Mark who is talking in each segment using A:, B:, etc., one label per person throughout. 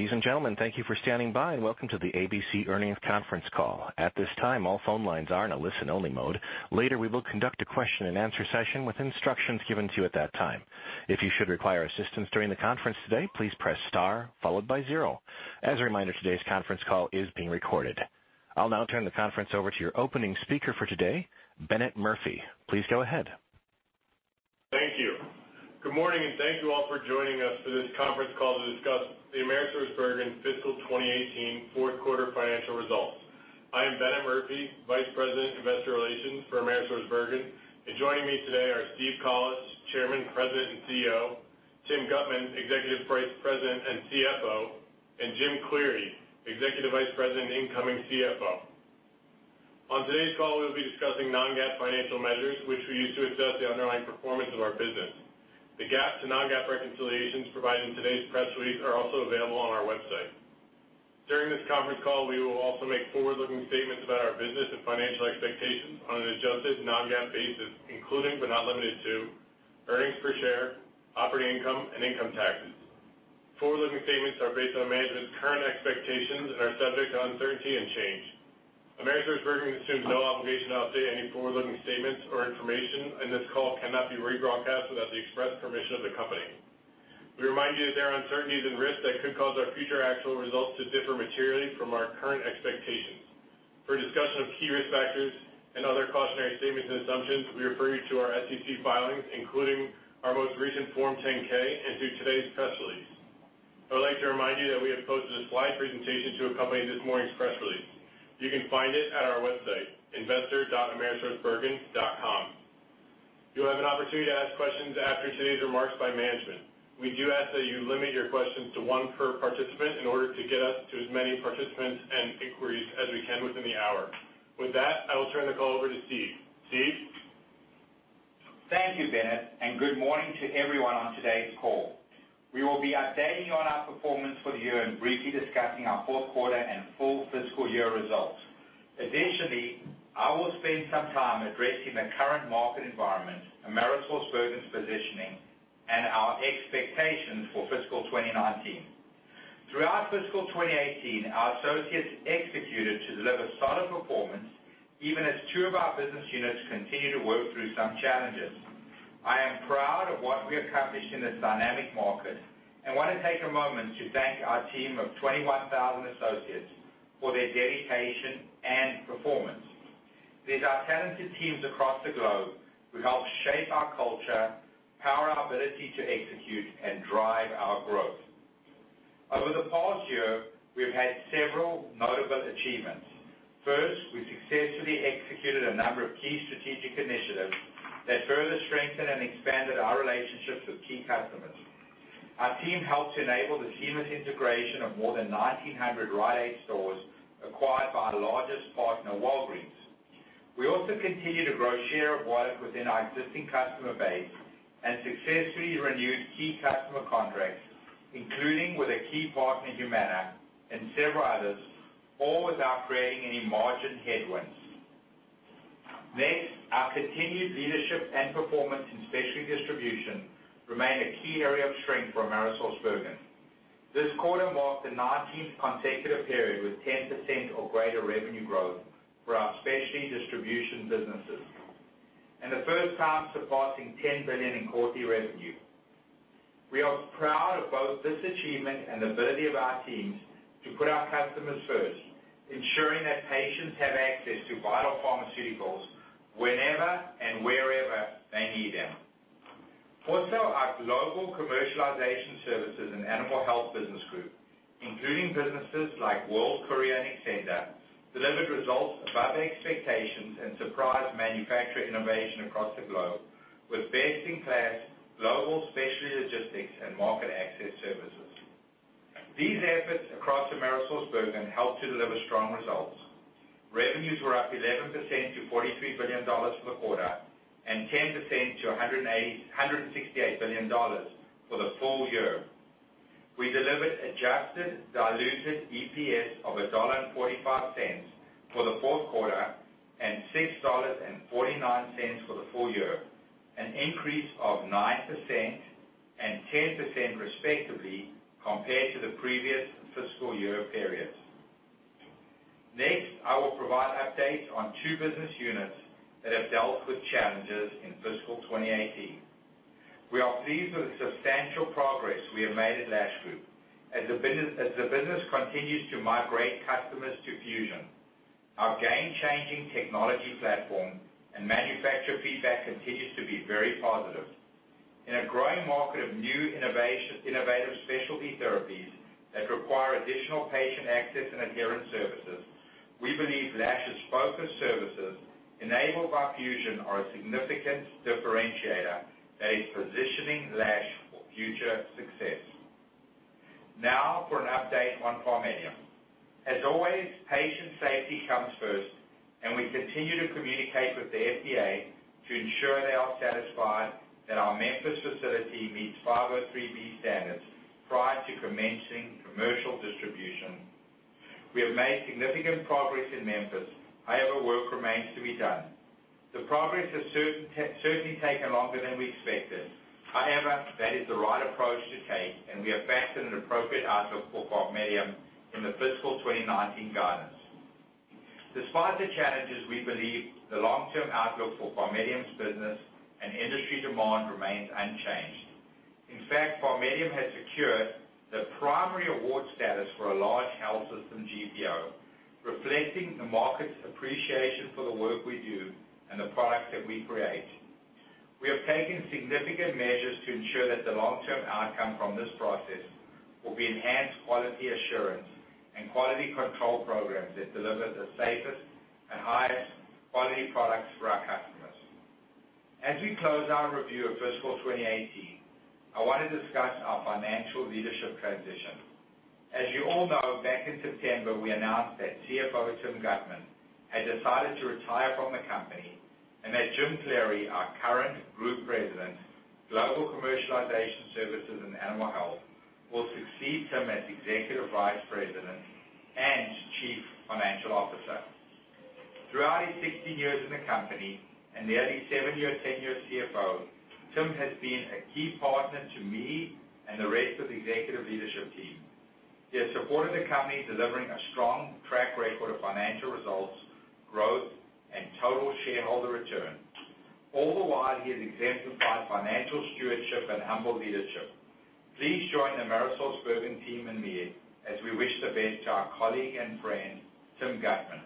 A: Ladies and gentlemen, thank you for standing by and welcome to the ABC Earnings Conference Call. At this time, all phone lines are in a listen-only mode. Later, we will conduct a question-and-answer session with instructions given to you at that time. If you should require assistance during the conference today, please press star followed by zero. As a reminder, today's conference call is being recorded. I'll now turn the conference over to your opening speaker for today, Bennett Murphy. Please go ahead.
B: Thank you. Good morning, and thank you all for joining us for this conference call to discuss the AmerisourceBergen fiscal 2018 fourth quarter financial results. I am Bennett Murphy, vice president of investor relations for AmerisourceBergen, and joining me today are Steve Collis, chairman, president, and CEO, Tim Guttman, executive vice president and CFO, and Jim Cleary, executive vice president and incoming CFO. On today's call, we will be discussing non-GAAP financial measures, which we use to assess the underlying performance of our business. The GAAP to non-GAAP reconciliations provided in today's press release are also available on our website. During this conference call, we will also make forward-looking statements about our business and financial expectations on an adjusted non-GAAP basis, including, but not limited to earnings per share, operating income, and income taxes. Forward-looking statements are based on management's current expectations and are subject to uncertainty and change. AmerisourceBergen assumes no obligation to update any forward-looking statements or information. This call cannot be rebroadcast without the express permission of the company. We remind you that there are uncertainties and risks that could cause our future actual results to differ materially from our current expectations. For a discussion of key risk factors and other cautionary statements and assumptions, we refer you to our SEC filings, including our most recent Form 10-K and to today's press release. I would like to remind you that we have posted a slide presentation to accompany this morning's press release. You can find it at our website, investor.amerisourcebergen.com. You'll have an opportunity to ask questions after today's remarks by management. We do ask that you limit your questions to one per participant in order to get us to as many participants and inquiries as we can within the hour. With that, I will turn the call over to Steve. Steve?
C: Thank you, Bennett, and good morning to everyone on today's call. We will be updating you on our performance for the year and briefly discussing our fourth quarter and full fiscal year results. Additionally, I will spend some time addressing the current market environment, AmerisourceBergen's positioning, and our expectations for fiscal 2019. Throughout fiscal 2018, our associates executed to deliver solid performance, even as two of our business units continue to work through some challenges. I am proud of what we accomplished in this dynamic market and want to take a moment to thank our team of 21,000 associates for their dedication and performance. It is our talented teams across the globe who help shape our culture, power our ability to execute, and drive our growth. Over the past year, we've had several notable achievements. First, we successfully executed a number of key strategic initiatives that further strengthened and expanded our relationships with key customers. Our team helped enable the seamless integration of more than 1,900 Rite Aid stores acquired by our largest partner, Walgreens. We also continued to grow share of wallet within our existing customer base and successfully renewed key customer contracts, including with a key partner, Humana, and several others, all without creating any margin headwinds. Next, our continued leadership and performance in specialty distribution remain a key area of strength for AmerisourceBergen. This quarter marked the 19th consecutive period with 10% or greater revenue growth for our specialty distribution businesses and the first time surpassing $10 billion in quarterly revenue. We are proud of both this achievement and the ability of our teams to put our customers first, ensuring that patients have access to vital pharmaceuticals whenever and wherever they need them. Also, our Global Commercialization Services and Animal Health business group, including businesses like World Courier and Xcenda, delivered results above expectations and surprised manufacturer innovation across the globe with best-in-class global specialty logistics and market access services. These efforts across AmerisourceBergen helped to deliver strong results. Revenues were up 11% to $43 billion for the quarter, and 10% to $168 billion for the full year. We delivered adjusted diluted EPS of $1.45 for the fourth quarter and $6.49 for the full year, an increase of 9% and 10%, respectively, compared to the previous fiscal year periods. Next, I will provide updates on two business units that have dealt with challenges in fiscal 2018. We are pleased with the substantial progress we have made at Lash Group as the business continues to migrate customers to Fusion, our game-changing technology platform, and manufacturer feedback continues to be very positive. In a growing market of new innovative specialty therapies that require additional patient access and adherence services, we believe Lash's focused services enabled by Fusion are a significant differentiator that is positioning Lash for future success. Now for an update on PharMEDium. As always, patient safety comes first, and we continue to communicate with the FDA to ensure they are satisfied that our Memphis facility meets 503B standards prior to commencing commercial. We have made significant progress in Memphis. However, work remains to be done. The progress has certainly taken longer than we expected. However, that is the right approach to take, and we are back in an appropriate outlook for PharMEDium in the fiscal 2019 guidance. Despite the challenges, we believe the long-term outlook for PharMEDium's business and industry demand remains unchanged. In fact, PharMEDium has secured the primary award status for a large health system GPO, reflecting the market's appreciation for the work we do and the products that we create. We have taken significant measures to ensure that the long-term outcome from this process will be enhanced quality assurance and quality control programs that deliver the safest and highest quality products for our customers. As we close our review of fiscal 2018, I want to discuss our financial leadership transition. As you all know, back in September, we announced that CFO Tim Guttman had decided to retire from the company, and that Jim Cleary, our current Group President, Global Commercialization Services and Animal Health, will succeed Tim as Executive Vice President and Chief Financial Officer. Throughout his 16 years in the company and nearly seven-year tenure as CFO, Tim has been a key partner to me and the rest of the executive leadership team. He has supported the company, delivering a strong track record of financial results, growth, and total shareholder return. All the while, he has exemplified financial stewardship and humble leadership. Please join the AmerisourceBergen team and me as we wish the best to our colleague and friend, Tim Guttman.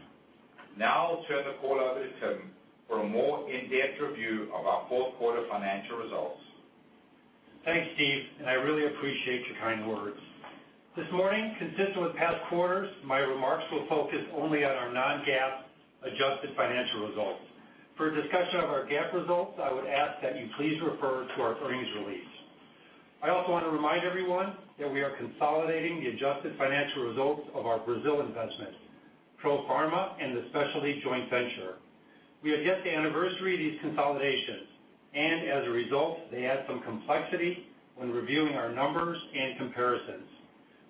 C: Now I'll turn the call over to Tim for a more in-depth review of our fourth quarter financial results.
D: Thanks, Steve, and I really appreciate your kind words. This morning, consistent with past quarters, my remarks will focus only on our non-GAAP adjusted financial results. For a discussion of our GAAP results, I would ask that you please refer to our earnings release. I also want to remind everyone that we are consolidating the adjusted financial results of our Brazil investment, Profarma, and the specialty joint venture. We are just at anniversary of these consolidations, and as a result, they add some complexity when reviewing our numbers and comparisons.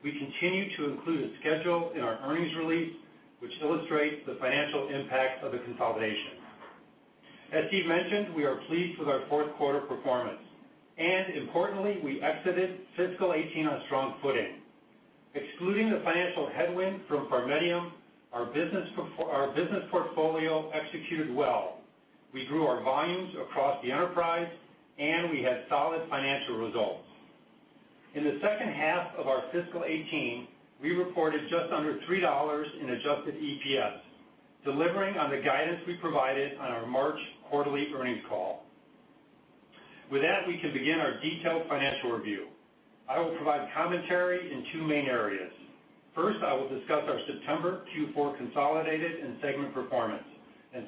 D: We continue to include a schedule in our earnings release, which illustrates the financial impact of the consolidation. As Steve mentioned, we are pleased with our fourth quarter performance. Importantly, we exited fiscal 2018 on strong footing. Excluding the financial headwind from PharMEDium, our business portfolio executed well. We grew our volumes across the enterprise, and we had solid financial results. In the second half of our fiscal 2018, we reported just under $3 in adjusted EPS, delivering on the guidance we provided on our March quarterly earnings call. With that, we can begin our detailed financial review. I will provide commentary in two main areas. First, I will discuss our September Q4 consolidated and segment performance.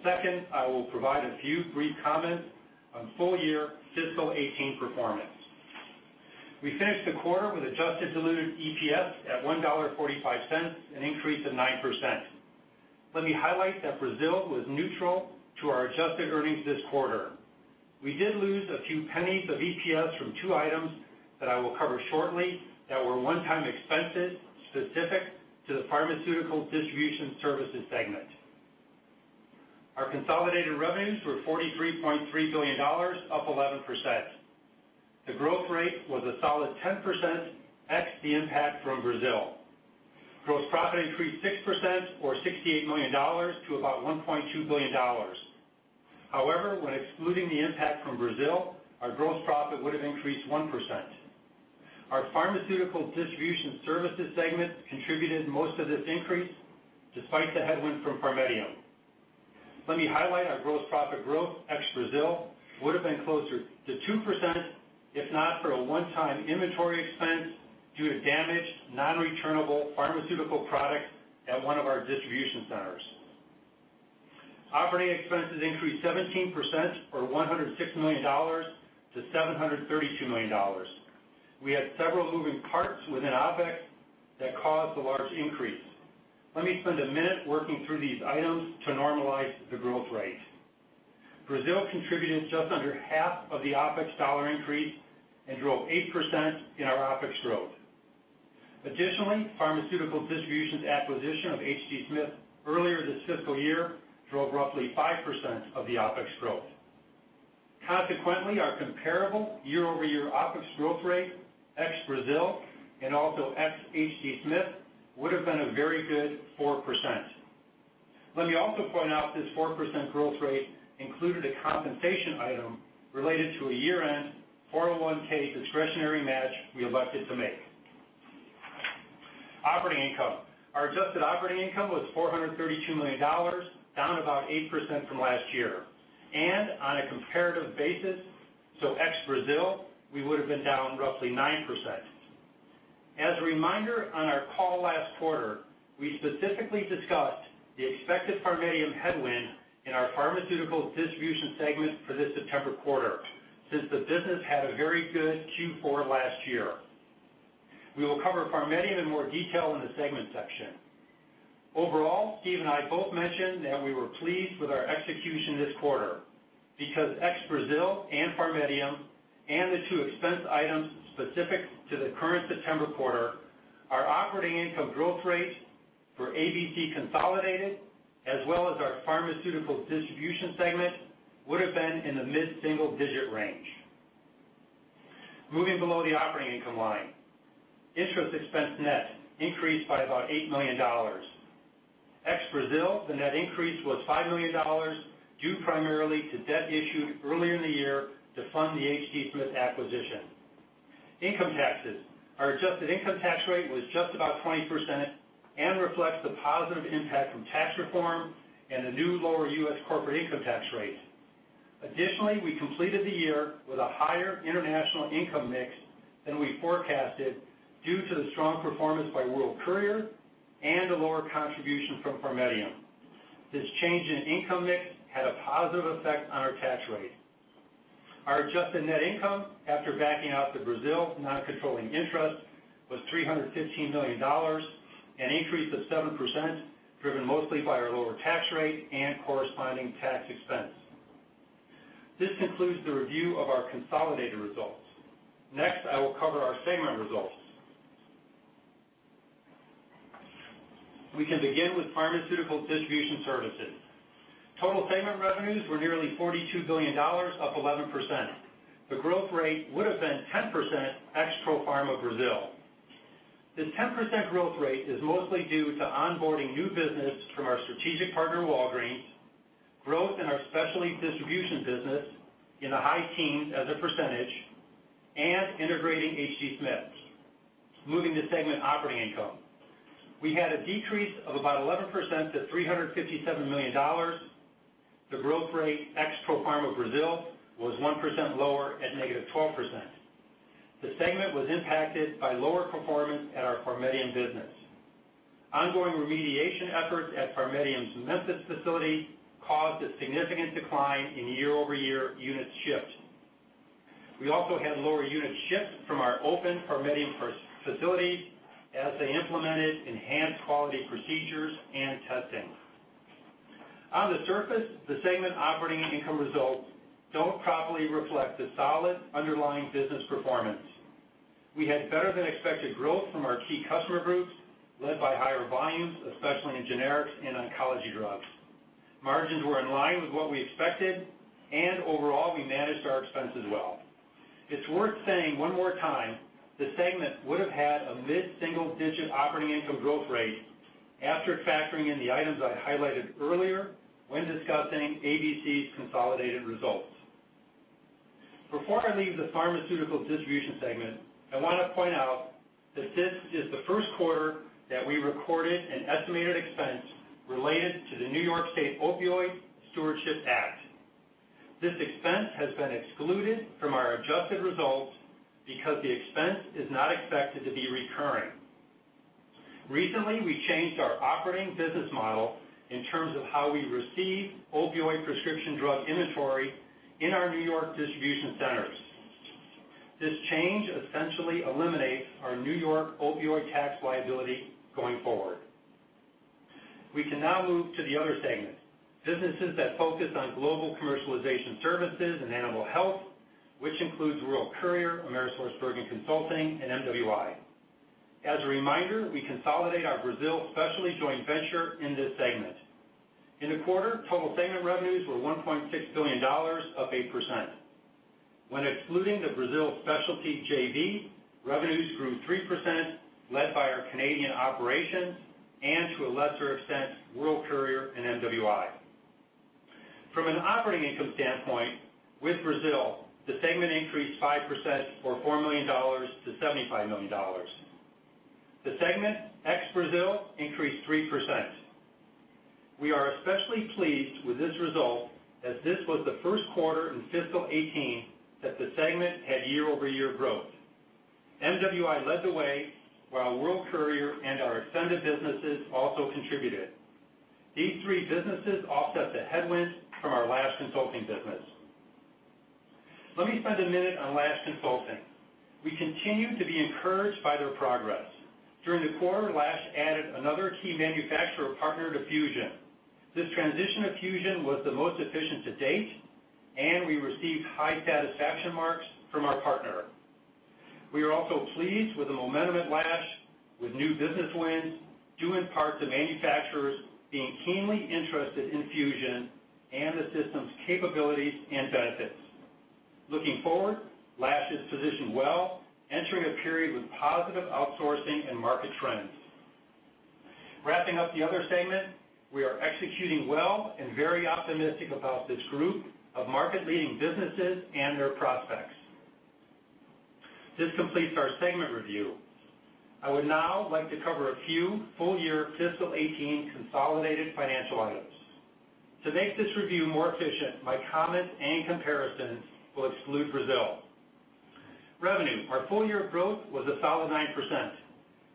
D: Second, I will provide a few brief comments on full year fiscal 2018 performance. We finished the quarter with adjusted diluted EPS at $1.45, an increase of 9%. Let me highlight that Brazil was neutral to our adjusted earnings this quarter. We did lose a few pennies of EPS from two items that I will cover shortly that were one-time expenses specific to the Pharmaceutical Distribution Services segment. Our consolidated revenues were $43.3 billion, up 11%. The growth rate was a solid 10%, ex the impact from Brazil. Gross profit increased 6%, or $68 million, to about $1.2 billion. However, when excluding the impact from Brazil, our gross profit would have increased 1%. Our Pharmaceutical Distribution Services segment contributed most of this increase despite the headwind from PharMEDium. Let me highlight our gross profit growth ex Brazil, would have been closer to 2%, if not for a one-time inventory expense due to damaged, non-returnable pharmaceutical product at one of our distribution centers. Operating expenses increased 17%, or $106 million to $732 million. We had several moving parts within OpEx that caused the large increase. Let me spend a minute working through these items to normalize the growth rate. Brazil contributed just under half of the OpEx dollar increase and drove 8% in our OpEx growth. Additionally, Pharmaceutical Distribution's acquisition of H.D. Smith earlier this fiscal year drove roughly 5% of the OpEx growth. Consequently, our comparable year-over-year OpEx growth rate, ex Brazil and also ex H.D. Smith, would have been a very good 4%. Let me also point out this 4% growth rate included a compensation item related to a year-end 401(k) discretionary match we elected to make. Operating income. Our adjusted operating income was $432 million, down about 8% from last year. On a comparative basis, so ex Brazil, we would have been down roughly 9%. As a reminder, on our call last quarter, we specifically discussed the expected PharMEDium headwind in our Pharmaceutical Distribution segment for this September quarter, since the business had a very good Q4 last year. We will cover PharMEDium in more detail in the segment section. Overall, Steve and I both mentioned that we were pleased with our execution this quarter. Because ex Brazil and PharMEDium and the two expense items specific to the current September quarter, our operating income growth rate for ABC consolidated, as well as our Pharmaceutical Distribution segment, would have been in the mid-single-digit range. Moving below the operating income line, interest expense net increased by about $8 million. Ex Brazil, the net increase was $5 million, due primarily to debt issued earlier in the year to fund the H.D. Smith acquisition. Income taxes. Our adjusted income tax rate was just about 20% and reflects the positive impact from tax reform and a new lower U.S. corporate income tax rate. Additionally, we completed the year with a higher international income mix than we forecasted due to the strong performance by World Courier and a lower contribution from PharMEDium. This change in income mix had a positive effect on our tax rate. Our adjusted net income after backing out the Brazil non-controlling interest was $315 million, an increase of 7%, driven mostly by our lower tax rate and corresponding tax expense. This concludes the review of our consolidated results. Next, I will cover our segment results. We can begin with Pharmaceutical Distribution Services. Total segment revenues were nearly $42 billion, up 11%. The growth rate would have been 10% ex Profarma Brazil. This 10% growth rate is mostly due to onboarding new business from our strategic partner, Walgreens, growth in our specialty distribution business in the high teens as a percentage, and integrating H.D. Smith. Moving to segment operating income. We had a decrease of about 11% to $357 million. The growth rate ex Profarma Brazil was 1% lower at negative 12%. The segment was impacted by lower performance at our PharMEDium business. Ongoing remediation efforts at PharMEDium's Memphis facility caused a significant decline in year-over-year units shipped. We also had lower units shipped from our open PharMEDium facilities as they implemented enhanced quality procedures and testing. On the surface, the segment operating income results don't properly reflect the solid underlying business performance. We had better-than-expected growth from our key customer groups, led by higher volumes, especially in generics and oncology drugs. Margins were in line with what we expected. Overall, we managed our expenses well. It's worth saying one more time, the segment would have had a mid-single-digit operating income growth rate after factoring in the items I highlighted earlier when discussing ABC's consolidated results. Before I leave the Pharmaceutical Distribution segment, I want to point out that this is the first quarter that we recorded an estimated expense related to the New York State Opioid Stewardship Act. This expense has been excluded from our adjusted results because the expense is not expected to be recurring. Recently, we changed our operating business model in terms of how we receive opioid prescription drug inventory in our New York distribution centers. This change essentially eliminates our New York opioid tax liability going forward. We can now move to the other segment, businesses that focus on Global Commercialization Services and Animal Health, which includes World Courier, AmerisourceBergen Consulting, and MWI. As a reminder, we consolidate our Brazil specialty joint venture in this segment. In the quarter, total segment revenues were $1.6 billion, up 8%. When excluding the Brazil specialty JV, revenues grew 3%, led by our Canadian operations. To a lesser extent, World Courier and MWI. From an operating income standpoint, with Brazil, the segment increased 5% or $4 million to $75 million. The segment ex Brazil increased 3%. We are especially pleased with this result, as this was the first quarter in fiscal 2018 that the segment had year-over-year growth. MWI led the way, while World Courier and our extended businesses also contributed. These three businesses offset the headwind from our Lash consulting business. Let me spend a minute on Lash Consulting. We continue to be encouraged by their progress. During the quarter, Lash added another key manufacturer partner to Fusion. This transition to Fusion was the most efficient to date, and we received high satisfaction marks from our partner. We are also pleased with the momentum at Lash with new business wins, due in part to manufacturers being keenly interested in Fusion and the system's capabilities and benefits. Looking forward, Lash is positioned well, entering a period with positive outsourcing and market trends. Wrapping up the other segment, we are executing well. Very optimistic about this group of market-leading businesses and their prospects. This completes our segment review. I would now like to cover a few full-year fiscal 2018 consolidated financial items. To make this review more efficient, my comments and comparisons will exclude Brazil. Revenue. Our full-year growth was a solid 9%.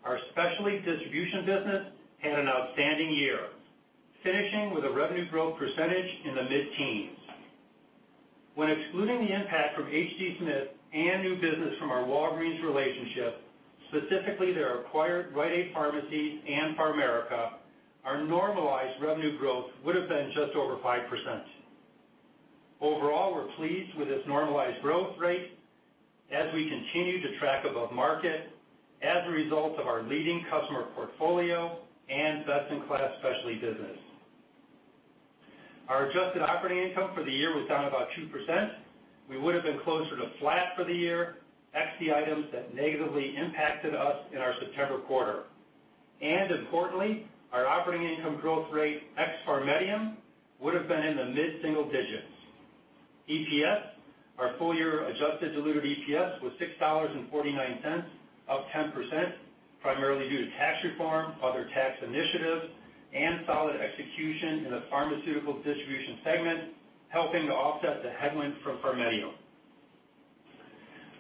D: Our specialty distribution business had an outstanding year, finishing with a revenue growth percentage in the mid-teens. When excluding the impact from H.D. Smith and new business from our Walgreens relationship. Specifically, their acquired Rite Aid Pharmacy and PharMerica, our normalized revenue growth would have been just over 5%. Overall, we're pleased with this normalized growth rate as we continue to track above market as a result of our leading customer portfolio and best-in-class specialty business. Our adjusted operating income for the year was down about 2%. We would've been closer to flat for the year, ex the items that negatively impacted us in our September quarter. Importantly, our operating income growth rate, ex PharMEDium, would've been in the mid-single digits. EPS. Our full-year adjusted diluted EPS was $6.49, up 10%, primarily due to tax reform, other tax initiatives, and solid execution in the Pharmaceutical Distribution segment, helping to offset the headwind from PharMEDium.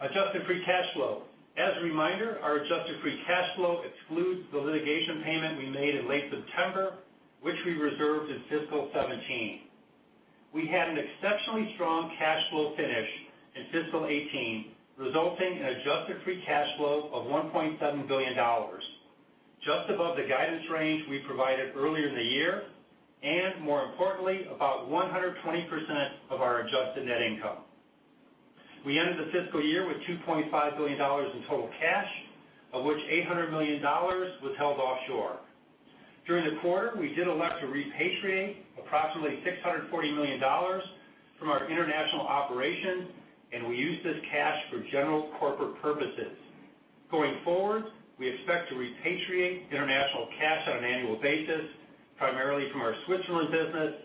D: Adjusted free cash flow. As a reminder, our adjusted free cash flow excludes the litigation payment we made in late September, which we reserved in fiscal 2017. We had an exceptionally strong cash flow finish in fiscal 2018, resulting in adjusted free cash flow of $1.7 billion, just above the guidance range we provided earlier in the year, and more importantly, about 120% of our adjusted net income. We ended the fiscal year with $2.5 billion in total cash, of which $800 million was held offshore. During the quarter, we did elect to repatriate approximately $640 million from our international operations. We used this cash for general corporate purposes. Going forward, we expect to repatriate international cash on an annual basis, primarily from our Switzerland business,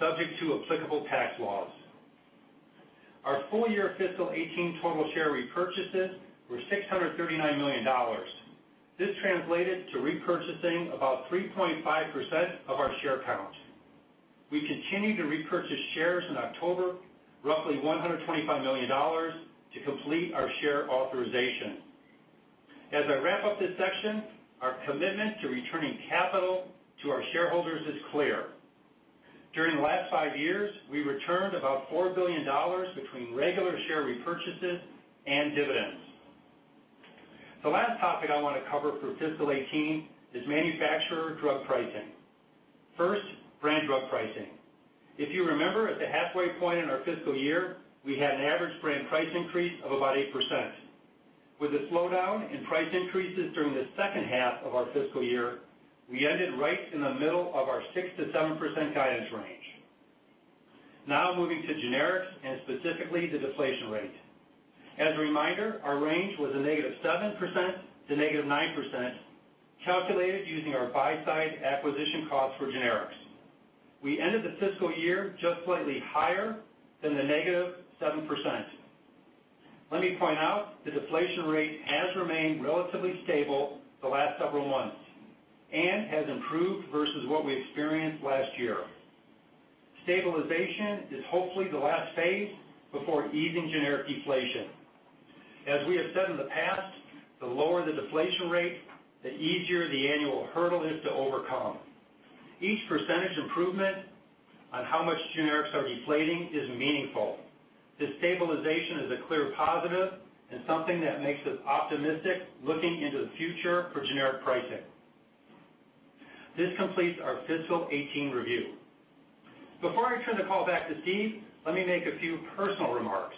D: subject to applicable tax laws. Our full-year fiscal 2018 total share repurchases were $639 million. This translated to repurchasing about 3.5% of our share count. We continued to repurchase shares in October, roughly $125 million, to complete our share authorization. As I wrap up this section, our commitment to returning capital to our shareholders is clear. During the last five years, we returned about $4 billion between regular share repurchases and dividends. The last topic I want to cover for fiscal 2018 is manufacturer drug pricing. First, brand drug pricing. If you remember, at the halfway point in our fiscal year, we had an average brand price increase of about 8%. With a slowdown in price increases during the second half of our fiscal year, we ended right in the middle of our 6%-7% guidance range. Now moving to generics and specifically the deflation rate. As a reminder, our range was a negative 7% to negative 9%, calculated using our buy-side acquisition cost for generics. We ended the fiscal year just slightly higher than the negative 7%. Let me point out, the deflation rate has remained relatively stable the last several months and has improved versus what we experienced last year. Stabilization is hopefully the last phase before easing generic deflation. As we have said in the past, the lower the deflation rate, the easier the annual hurdle is to overcome. Each percentage improvement on how much generics are deflating is meaningful. This stabilization is a clear positive and something that makes us optimistic looking into the future for generic pricing. This completes our fiscal 2018 review. Before I turn the call back to Steve, let me make a few personal remarks.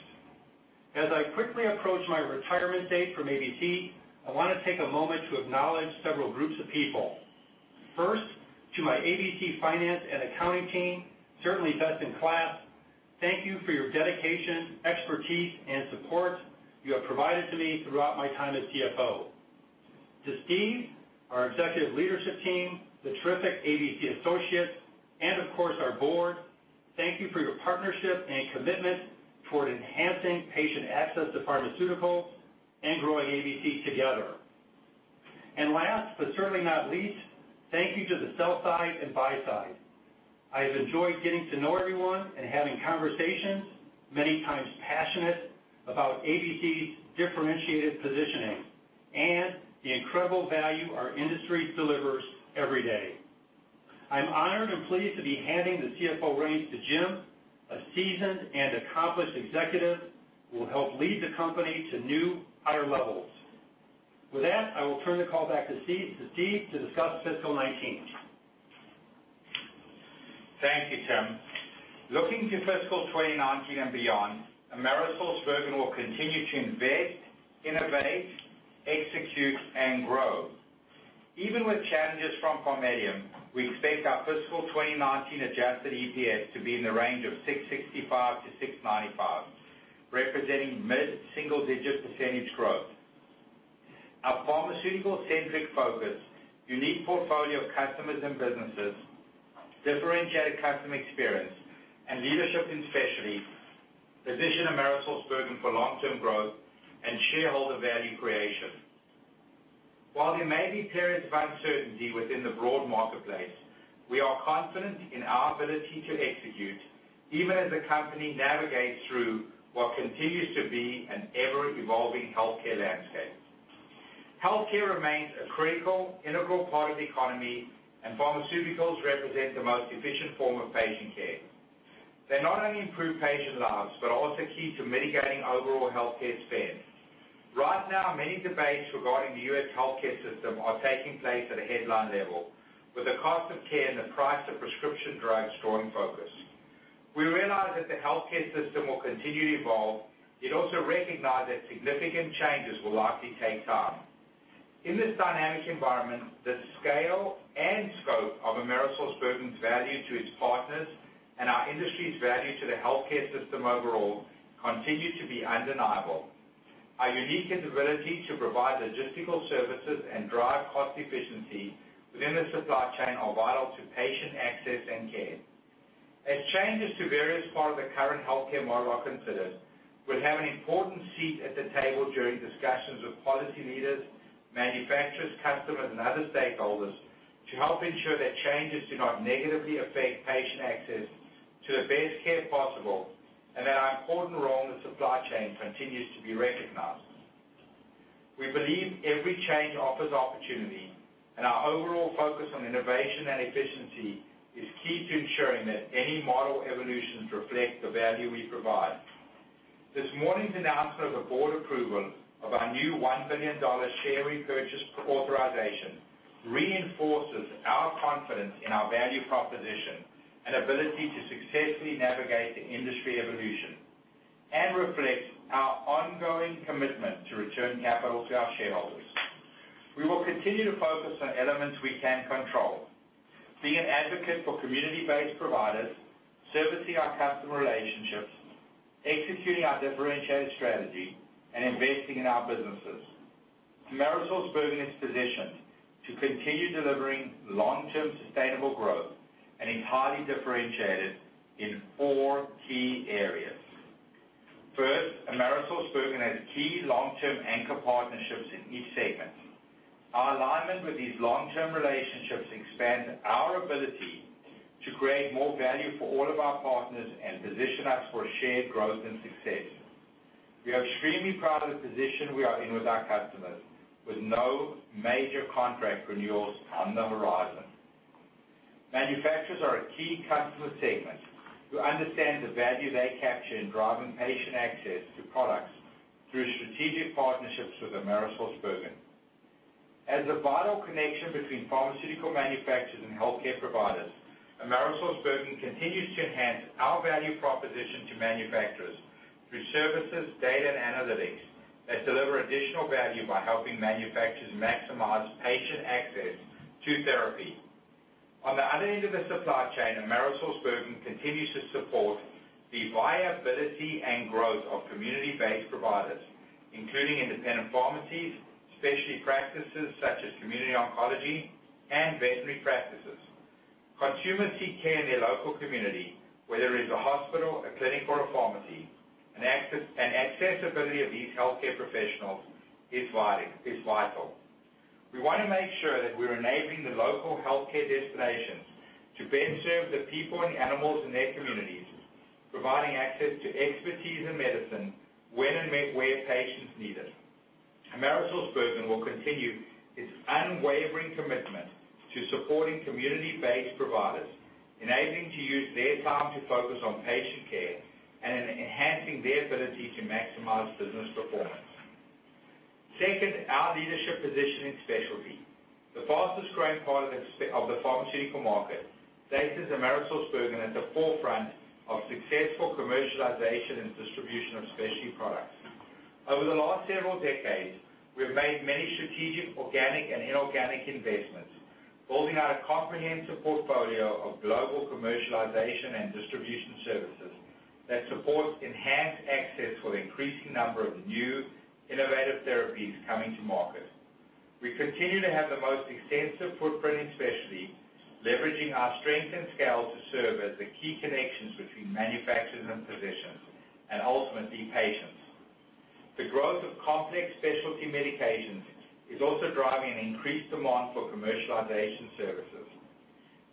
D: As I quickly approach my retirement date from ABC, I want to take a moment to acknowledge several groups of people. First, to my ABC finance and accounting team, certainly best in class, thank you for your dedication, expertise, and support you have provided to me throughout my time as CFO. To Steve, our executive leadership team, the terrific ABC associates, and of course, our board, thank you for your partnership and commitment toward enhancing patient access to pharmaceuticals and growing ABC together. Last, but certainly not least, thank you to the sell side and buy side. I have enjoyed getting to know everyone and having conversations, many times passionate, about ABC's differentiated positioning and the incredible value our industry delivers every day. I'm honored and pleased to be handing the CFO reins to Jim, a seasoned and accomplished executive who will help lead the company to new, higher levels. With that, I will turn the call back to Steve to discuss fiscal 2019.
C: Thank you, Tim. Looking to fiscal 2019 and beyond, AmerisourceBergen will continue to invest, innovate, execute, and grow. Even with challenges from PharMEDium, we expect our fiscal 2019 adjusted EPS to be in the range of $6.65-$6.95, representing mid-single-digit % growth. Our pharmaceutical-centric focus, unique portfolio of customers and businesses, differentiated customer experience, and leadership in specialty position AmerisourceBergen for long-term growth and shareholder value creation. While there may be periods of uncertainty within the broad marketplace, we are confident in our ability to execute, even as the company navigates through what continues to be an ever-evolving healthcare landscape. Healthcare remains a critical, integral part of the economy, and pharmaceuticals represent the most efficient form of patient care. They not only improve patient lives but are also key to mitigating overall healthcare spend. Right now, many debates regarding the U.S. healthcare system are taking place at a headline level, with the cost of care and the price of prescription drugs drawing focus. We realize that the healthcare system will continue to evolve, yet also recognize that significant changes will likely take time. In this dynamic environment, the scale and scope of AmerisourceBergen's value to its partners and our industry's value to the healthcare system overall continue to be undeniable. Our unique ability to provide logistical services and drive cost efficiency within the supply chain are vital to patient access and care. As changes to various parts of the current healthcare model are considered, we'll have an important seat at the table during discussions with policy leaders, manufacturers, customers, and other stakeholders to help ensure that changes do not negatively affect patient access to the best care possible, that our important role in the supply chain continues to be recognized. We believe every change offers opportunity, our overall focus on innovation and efficiency is key to ensuring that any model evolutions reflect the value we provide. This morning's announcement of the board approval of our new $1 billion share repurchase authorization reinforces our confidence in our value proposition and ability to successfully navigate the industry evolution and reflects our ongoing commitment to return capital to our shareholders. We will continue to focus on elements we can control, being an advocate for community-based providers, servicing our customer relationships, executing our differentiated strategy, and investing in our businesses. AmerisourceBergen is positioned to continue delivering long-term sustainable growth and entirely differentiated in four key areas. First, AmerisourceBergen has key long-term anchor partnerships in each segment. Our alignment with these long-term relationships expands our ability to create more value for all of our partners and position us for shared growth and success. We are extremely proud of the position we are in with our customers, with no major contract renewals on the horizon. Manufacturers are a key customer segment who understand the value they capture in driving patient access to products through strategic partnerships with AmerisourceBergen. As a vital connection between pharmaceutical manufacturers and healthcare providers, AmerisourceBergen continues to enhance our value proposition to manufacturers through services, data, and analytics that deliver additional value by helping manufacturers maximize patient access to therapy. On the other end of the supply chain, AmerisourceBergen continues to support the viability and growth of community-based providers, including independent pharmacies, specialty practices such as community oncology, and veterinary practices. Consumers seek care in their local community, whether it is a hospital, a clinic, or a pharmacy, and accessibility of these healthcare professionals is vital. We want to make sure that we're enabling the local healthcare destinations to best serve the people and animals in their communities, providing access to expertise and medicine when and where patients need it. AmerisourceBergen will continue its unwavering commitment to supporting community-based providers, enabling to use their time to focus on patient care and enhancing their ability to maximize business performance. Second, our leadership position in specialty. The fastest-growing part of the pharmaceutical market places AmerisourceBergen at the forefront of successful commercialization and distribution of specialty products. Over the last several decades, we have made many strategic, organic, and inorganic investments, building out a comprehensive portfolio of global commercialization and distribution services that supports enhanced access for the increasing number of new innovative therapies coming to market. We continue to have the most extensive footprint in specialty, leveraging our strength and scale to serve as the key connections between manufacturers and physicians and, ultimately, patients. The growth of complex specialty medications is also driving an increased demand for commercialization services.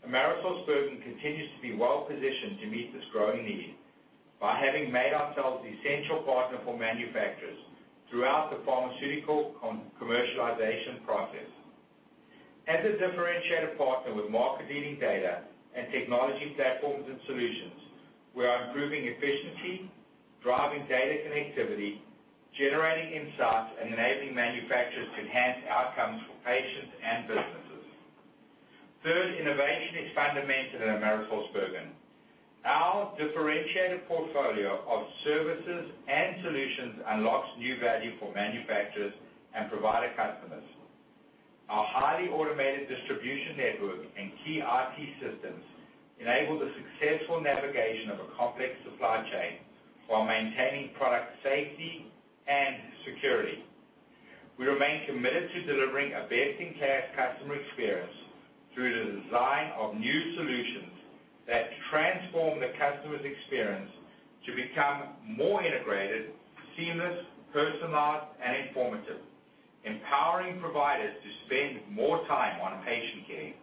C: AmerisourceBergen continues to be well-positioned to meet this growing need by having made ourselves the essential partner for manufacturers throughout the pharmaceutical commercialization process. As a differentiated partner with market-leading data and technology platforms and solutions, we are improving efficiency, driving data connectivity, generating insights, and enabling manufacturers to enhance outcomes for patients and businesses. Third, innovation is fundamental at AmerisourceBergen. Our differentiated portfolio of services and solutions unlocks new value for manufacturers and provider customers. Our highly automated distribution network and key IT systems enable the successful navigation of a complex supply chain while maintaining product safety and security. We remain committed to delivering a best-in-class customer experience through the design of new solutions that transform the customer's experience to become more integrated, seamless, personalized, and informative, empowering providers to spend more time on patient care.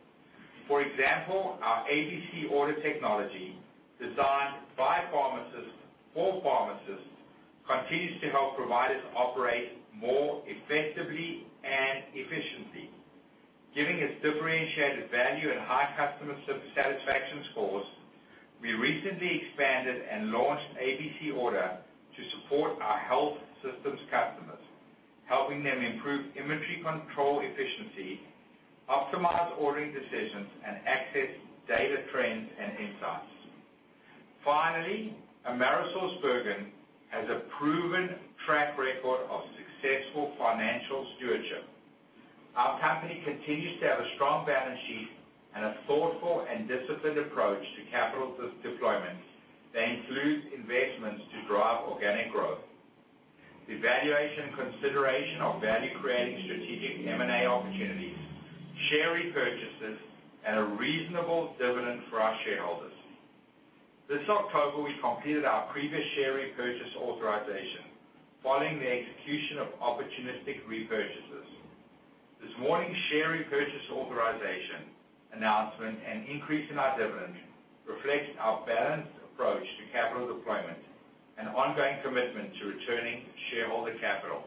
C: For example, our ABC Order technology, designed by-All pharmacies continues to help providers operate more effectively and efficiently. Given its differentiated value and high customer satisfaction scores, we recently expanded and launched ABC Order to support our health systems customers, helping them improve inventory control efficiency, optimize ordering decisions, and access data trends and insights. Finally, AmerisourceBergen has a proven track record of successful financial stewardship. Our company continues to have a strong balance sheet and a thoughtful and disciplined approach to capital deployment that includes investments to drive organic growth, evaluation and consideration of value-creating strategic M&A opportunities, share repurchases, and a reasonable dividend for our shareholders. This October, we completed our previous share repurchase authorization following the execution of opportunistic repurchases. This morning's share repurchase authorization announcement and increase in our dividend reflect our balanced approach to capital deployment and ongoing commitment to returning shareholder capital.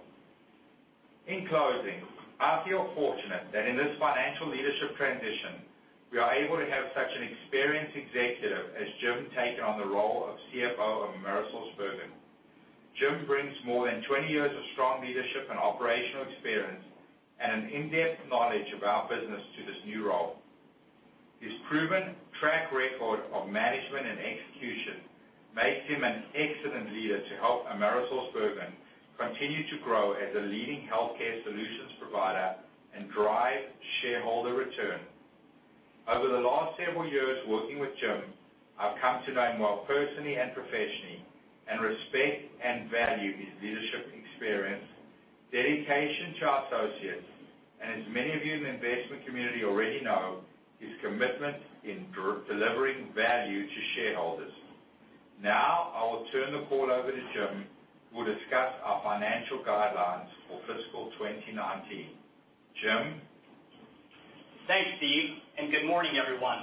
C: In closing, I feel fortunate that in this financial leadership transition, we are able to have such an experienced executive as Jim take on the role of CFO of AmerisourceBergen. Jim brings more than 20 years of strong leadership and operational experience and an in-depth knowledge of our business to this new role. His proven track record of management and execution makes him an excellent leader to help AmerisourceBergen continue to grow as a leading healthcare solutions provider and drive shareholder return. Over the last several years working with Jim, I've come to know him well personally and professionally, and respect and value his leadership experience, dedication to our associates, and as many of you in the investment community already know, his commitment in delivering value to shareholders. Now, I will turn the call over to Jim, who will discuss our financial guidelines for fiscal 2019. Jim?
E: Thanks, Steve, and good morning, everyone.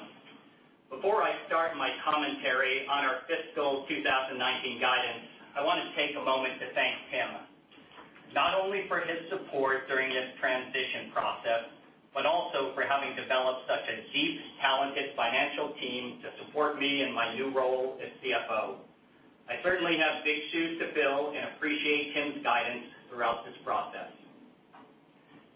E: Before I start my commentary on our fiscal 2019 guidance, I want to take a moment to thank Tim, not only for his support during this transition process, but also for having developed such a deep, talented financial team to support me in my new role as CFO. I certainly have big shoes to fill and appreciate Tim's guidance throughout this process.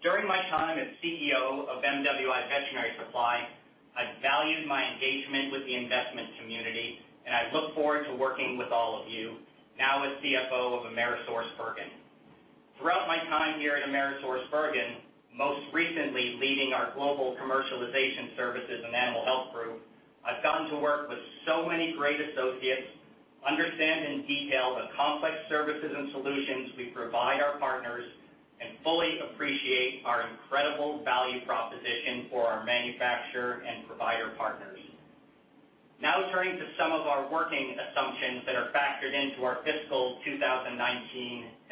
E: During my time as CEO of MWI Veterinary Supply, I valued my engagement with the investment community, and I look forward to working with all of you, now as CFO of AmerisourceBergen. Throughout my time here at AmerisourceBergen, most recently leading our Global Commercialization Services and Animal Health group, I've gotten to work with so many great associates, understand in detail the complex services and solutions we provide our partners, and fully appreciate our incredible value proposition for our manufacturer and provider partners. Now turning to some of our working assumptions that are factored into our fiscal 2019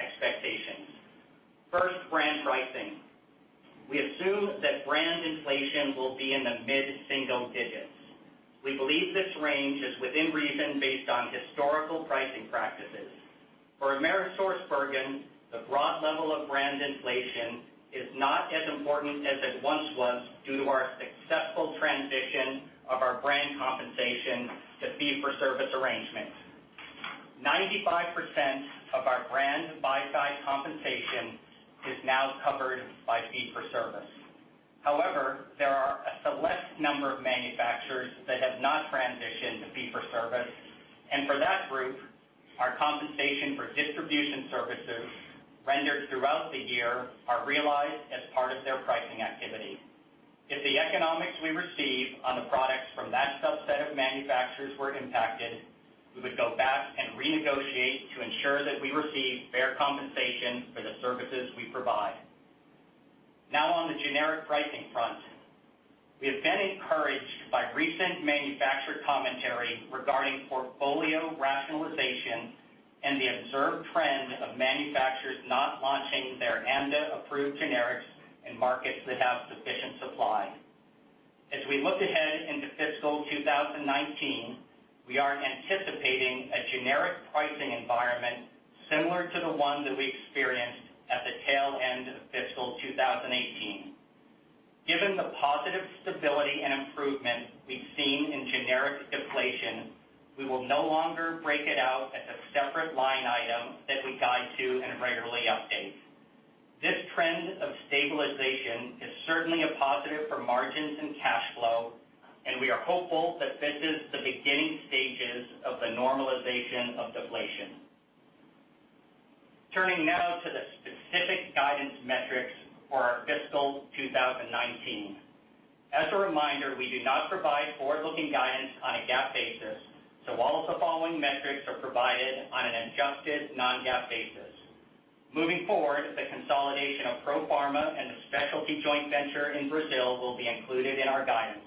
E: expectations. First, brand pricing. We assume that brand inflation will be in the mid-single digits. We believe this range is within reason based on historical pricing practices. For AmerisourceBergen, the broad level of brand inflation is not as important as it once was due to our successful transition of our brand compensation to fee-for-service arrangements. 95% of our brand buy-side compensation is now covered by fee-for-service. However, there are a select number of manufacturers that have not transitioned to fee-for-service, and for that group, our compensation for distribution services rendered throughout the year are realized as part of their pricing activity. If the economics we receive on the products from that subset of manufacturers were impacted, we would go back and renegotiate to ensure that we receive fair compensation for the services we provide. Now on the generic pricing front. We have been encouraged by recent manufacturer commentary regarding portfolio rationalization and the observed trend of manufacturers not launching their ANDA-approved generics in markets that have sufficient supply. As we look ahead into fiscal 2019, we are anticipating a generic pricing environment similar to the one that we experienced at the tail end of fiscal 2018. Given the positive stability and improvement we've seen in generic deflation, we will no longer break it out as a separate line item that we guide to and regularly update. This trend of stabilization is certainly a positive for margins and cash flow, and we are hopeful that this is the beginning stages of the normalization of deflation. Turning now to the specific guidance metrics for our fiscal 2019. As a reminder, we do not provide forward-looking guidance on a GAAP basis, so all of the following metrics are provided on an adjusted non-GAAP basis. Moving forward, the consolidation of Profarma and the specialty joint venture in Brazil will be included in our guidance.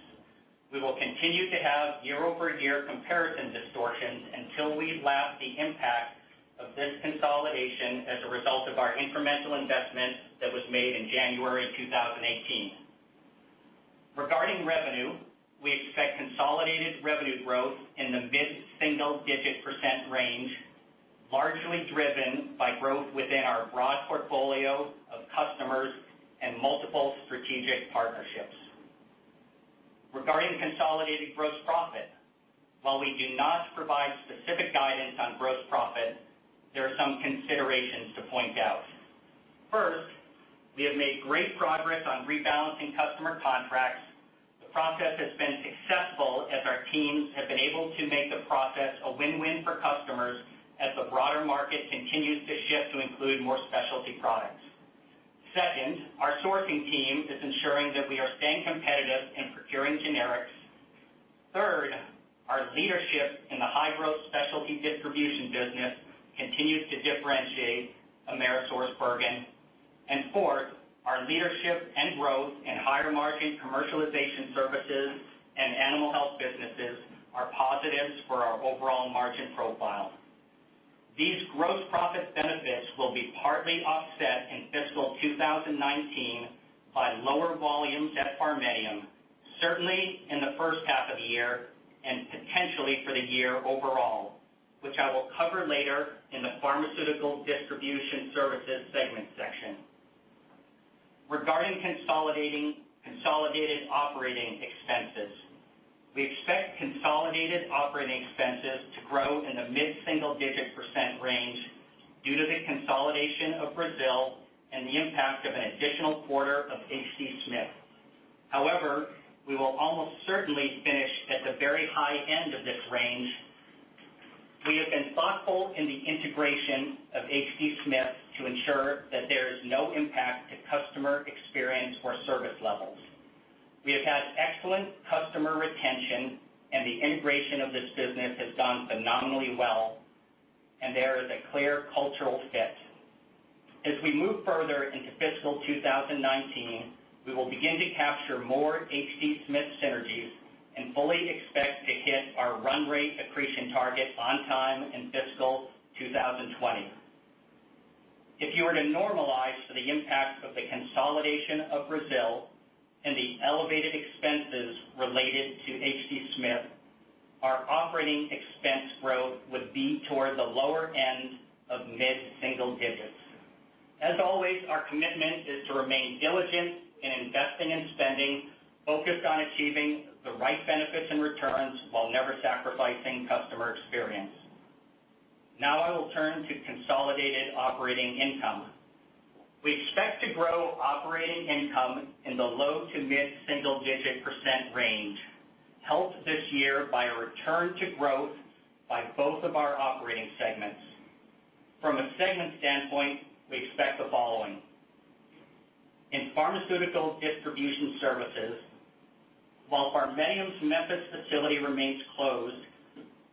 E: We will continue to have year-over-year comparison distortions until we lap the impact of this consolidation as a result of our incremental investment that was made in January 2018. Regarding revenue, we expect consolidated revenue growth in the mid-single-digit % range, largely driven by growth within our broad portfolio of customers and multiple strategic partnerships. Regarding consolidated gross profit, while we do not provide specific guidance on gross profit, there are some considerations to point out. First, we have made great progress on rebalancing customer contracts. The process has been successful as our teams have been able to make the process a win-win for customers as the broader market continues to shift to include more specialty products. Second, our sourcing team is ensuring that we are staying competitive in procuring generics. Third, our leadership in the high-growth specialty distribution business continues to differentiate AmerisourceBergen. Fourth, our leadership and growth in higher-margin Commercialization Services and Animal Health businesses are positives for our overall margin profile. These gross profit benefits will be partly offset in fiscal 2019 by lower volumes at PharMEDium, certainly in the first half of the year and potentially for the year overall, which I will cover later in the Pharmaceutical Distribution Services segment section. Regarding consolidated operating expenses, we expect consolidated operating expenses to grow in the mid-single-digit % range due to the consolidation of Brazil and the impact of an additional quarter of H.D. Smith. However, we will almost certainly finish at the very high end of this range. We have been thoughtful in the integration of H.D. Smith to ensure that there is no impact to customer experience or service levels. We have had excellent customer retention, and the integration of this business has gone phenomenally well, and there is a clear cultural fit. As we move further into fiscal 2019, we will begin to capture more H.D. Smith synergies and fully expect to hit our run rate accretion target on time in fiscal 2020. If you were to normalize for the impact of the consolidation of Brazil and the elevated expenses related to H.D. Smith, our operating expense growth would be toward the lower end of mid-single digits. As always, our commitment is to remain diligent in investing and spending, focused on achieving the right benefits and returns while never sacrificing customer experience. Now I will turn to consolidated operating income. We expect to grow operating income in the low to mid-single-digit % range, helped this year by a return to growth by both of our operating segments. From a segment standpoint, we expect the following. In Pharmaceutical Distribution Services, while PharMEDium's Memphis facility remains closed,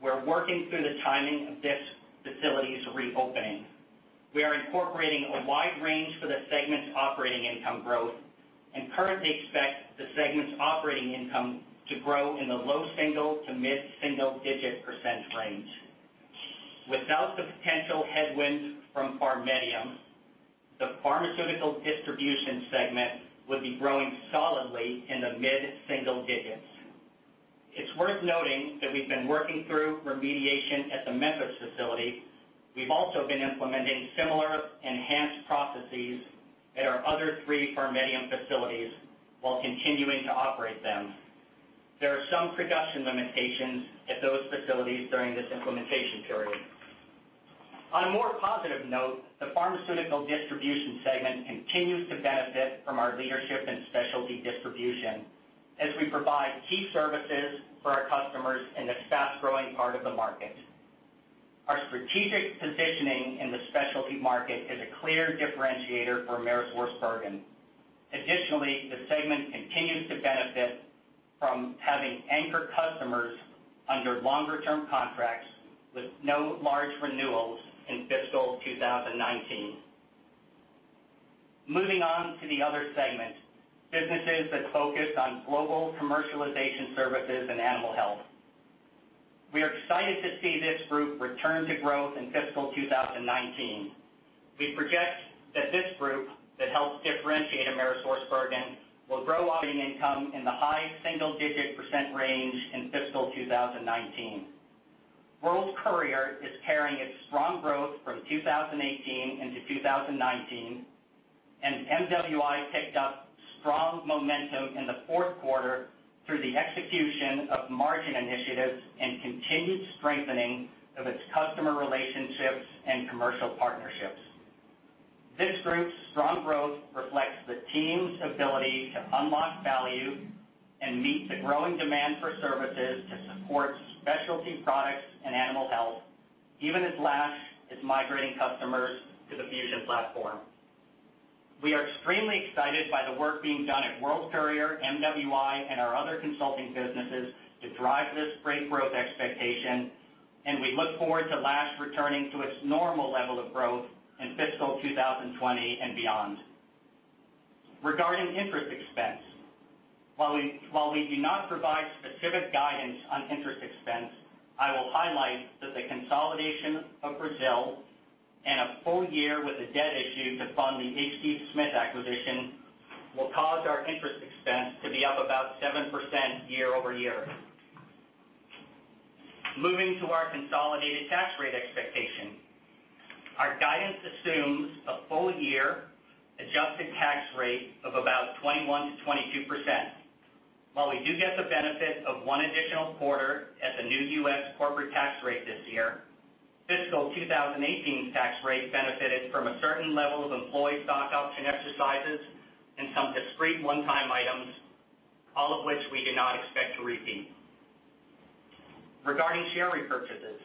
E: we're working through the timing of this facility's reopening. We are incorporating a wide range for the segment's operating income growth and currently expect the segment's operating income to grow in the low single to mid-single-digit % range. Without the potential headwinds from PharMEDium, the Pharmaceutical Distribution segment would be growing solidly in the mid-single digits. It's worth noting that we've been working through remediation at the Memphis facility. We've also been implementing similar enhanced processes at our other three PharMEDium facilities while continuing to operate them. There are some production limitations at those facilities during this implementation period. On a more positive note, the Pharmaceutical Distribution segment continues to benefit from our leadership in specialty distribution as we provide key services for our customers in this fast-growing part of the market. Our strategic positioning in the specialty market is a clear differentiator for AmerisourceBergen. Additionally, the segment continues to benefit from having anchor customers under longer-term contracts with no large renewals in fiscal 2019. Moving on to the other segment, businesses that focus on Global Commercialization Services and Animal Health. We are excited to see this group return to growth in fiscal 2019. We project that this group that helps differentiate AmerisourceBergen will grow operating income in the high single-digit % range in fiscal 2019. World Courier is carrying its strong growth from 2018 into 2019, and MWI picked up strong momentum in the fourth quarter through the execution of margin initiatives and continued strengthening of its customer relationships and commercial partnerships. This group's strong growth reflects the team's ability to unlock value and meet the growing demand for services to support specialty products and animal health, even as Lash is migrating customers to the Fusion platform. We are extremely excited by the work being done at World Courier, MWI, and our other consulting businesses to drive this great growth expectation, and we look forward to Lash returning to its normal level of growth in fiscal 2020 and beyond. Regarding interest expense, while we do not provide specific guidance on interest expense, I will highlight that the consolidation of Brazil. A full year with a debt issue to fund the H.D. Smith acquisition will cause our interest expense to be up about 7% year-over-year. Moving to our consolidated tax rate expectation. Our guidance assumes a full year adjusted tax rate of about 21%-22%. While we do get the benefit of one additional quarter at the new U.S. corporate tax rate this year, fiscal 2018 tax rate benefited from a certain level of employee stock option exercises and some discrete one-time items, all of which we do not expect to repeat. Regarding share repurchases.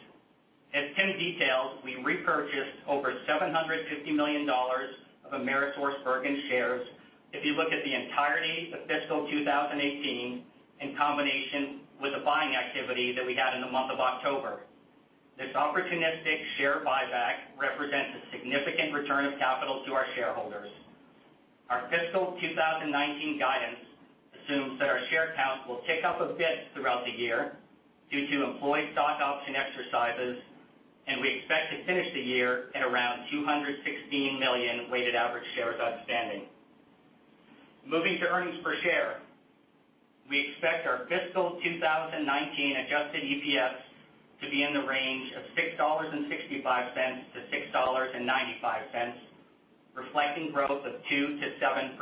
E: As Tim detailed, we repurchased over $750 million of AmerisourceBergen shares, if you look at the entirety of fiscal 2018 in combination with the buying activity that we had in the month of October. This opportunistic share buyback represents a significant return of capital to our shareholders. Our fiscal 2019 guidance assumes that our share count will tick up a bit throughout the year due to employee stock option exercises, and we expect to finish the year at around 216 million weighted average shares outstanding. Moving to earnings per share. We expect our fiscal 2019 adjusted EPS to be in the range of $6.65-$6.95, reflecting growth of 2%-7%.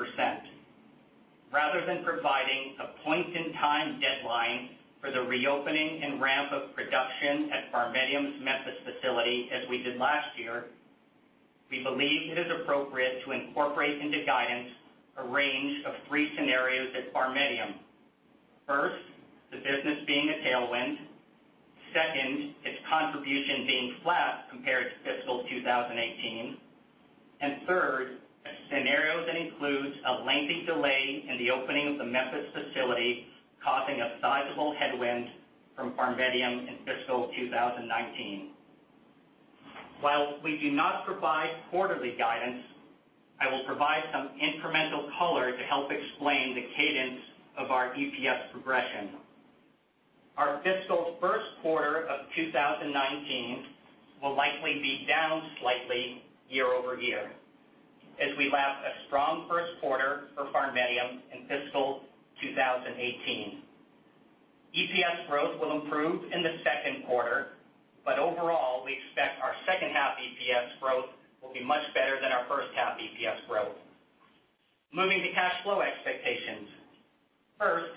E: Rather than providing a point-in-time deadline for the reopening and ramp of production at PharMEDium's Memphis facility, as we did last year, we believe it is appropriate to incorporate into guidance a range of three scenarios at PharMEDium. First, the business being a tailwind. Second, its contribution being flat compared to fiscal 2018. A scenario that includes a lengthy delay in the opening of the Memphis facility, causing a sizable headwind from PharMEDium in fiscal 2019. While we do not provide quarterly guidance, I will provide some incremental color to help explain the cadence of our EPS progression. Our fiscal first quarter of 2019 will likely be down slightly year-over-year as we lap a strong first quarter for PharMEDium in fiscal 2018. EPS growth will improve in the second quarter, but overall, we expect our second half EPS growth will be much better than our first half EPS growth. Moving to cash flow expectations. First,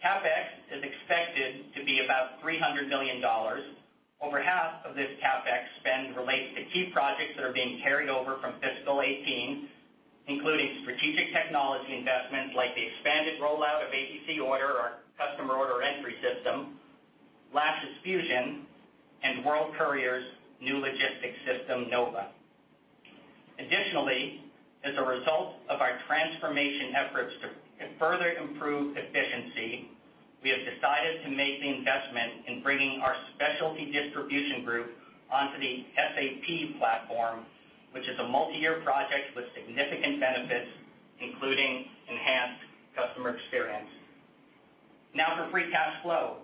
E: CapEx is expected to be about $300 million. Over half of this CapEx spend relates to key projects that are being carried over from fiscal 2018, including strategic technology investments like the expanded rollout of ABC Order, our customer order entry system, Lash's Fusion, and World Courier's new logistics system, NOVA. Additionally, as a result of our transformation efforts to further improve efficiency, we have decided to make the investment in bringing our specialty distribution group onto the SAP platform, which is a multi-year project with significant benefits, including enhanced customer experience. Now for free cash flow.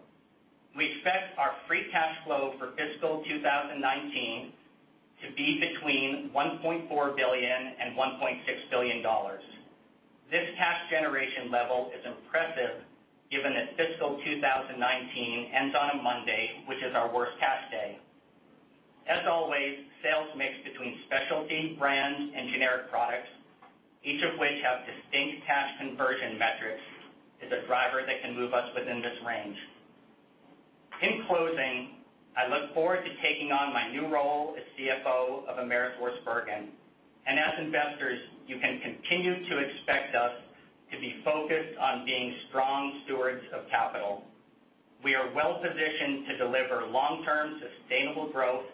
E: We expect our free cash flow for fiscal 2019 to be between $1.4 billion-$1.6 billion. This cash generation level is impressive given that fiscal 2019 ends on a Monday, which is our worst cash day. As always, sales mix between specialty brands and generic products, each of which have distinct cash conversion metrics, is a driver that can move us within this range. In closing, I look forward to taking on my new role as CFO of AmerisourceBergen. As investors, you can continue to expect us to be focused on being strong stewards of capital. We are well-positioned to deliver long-term sustainable growth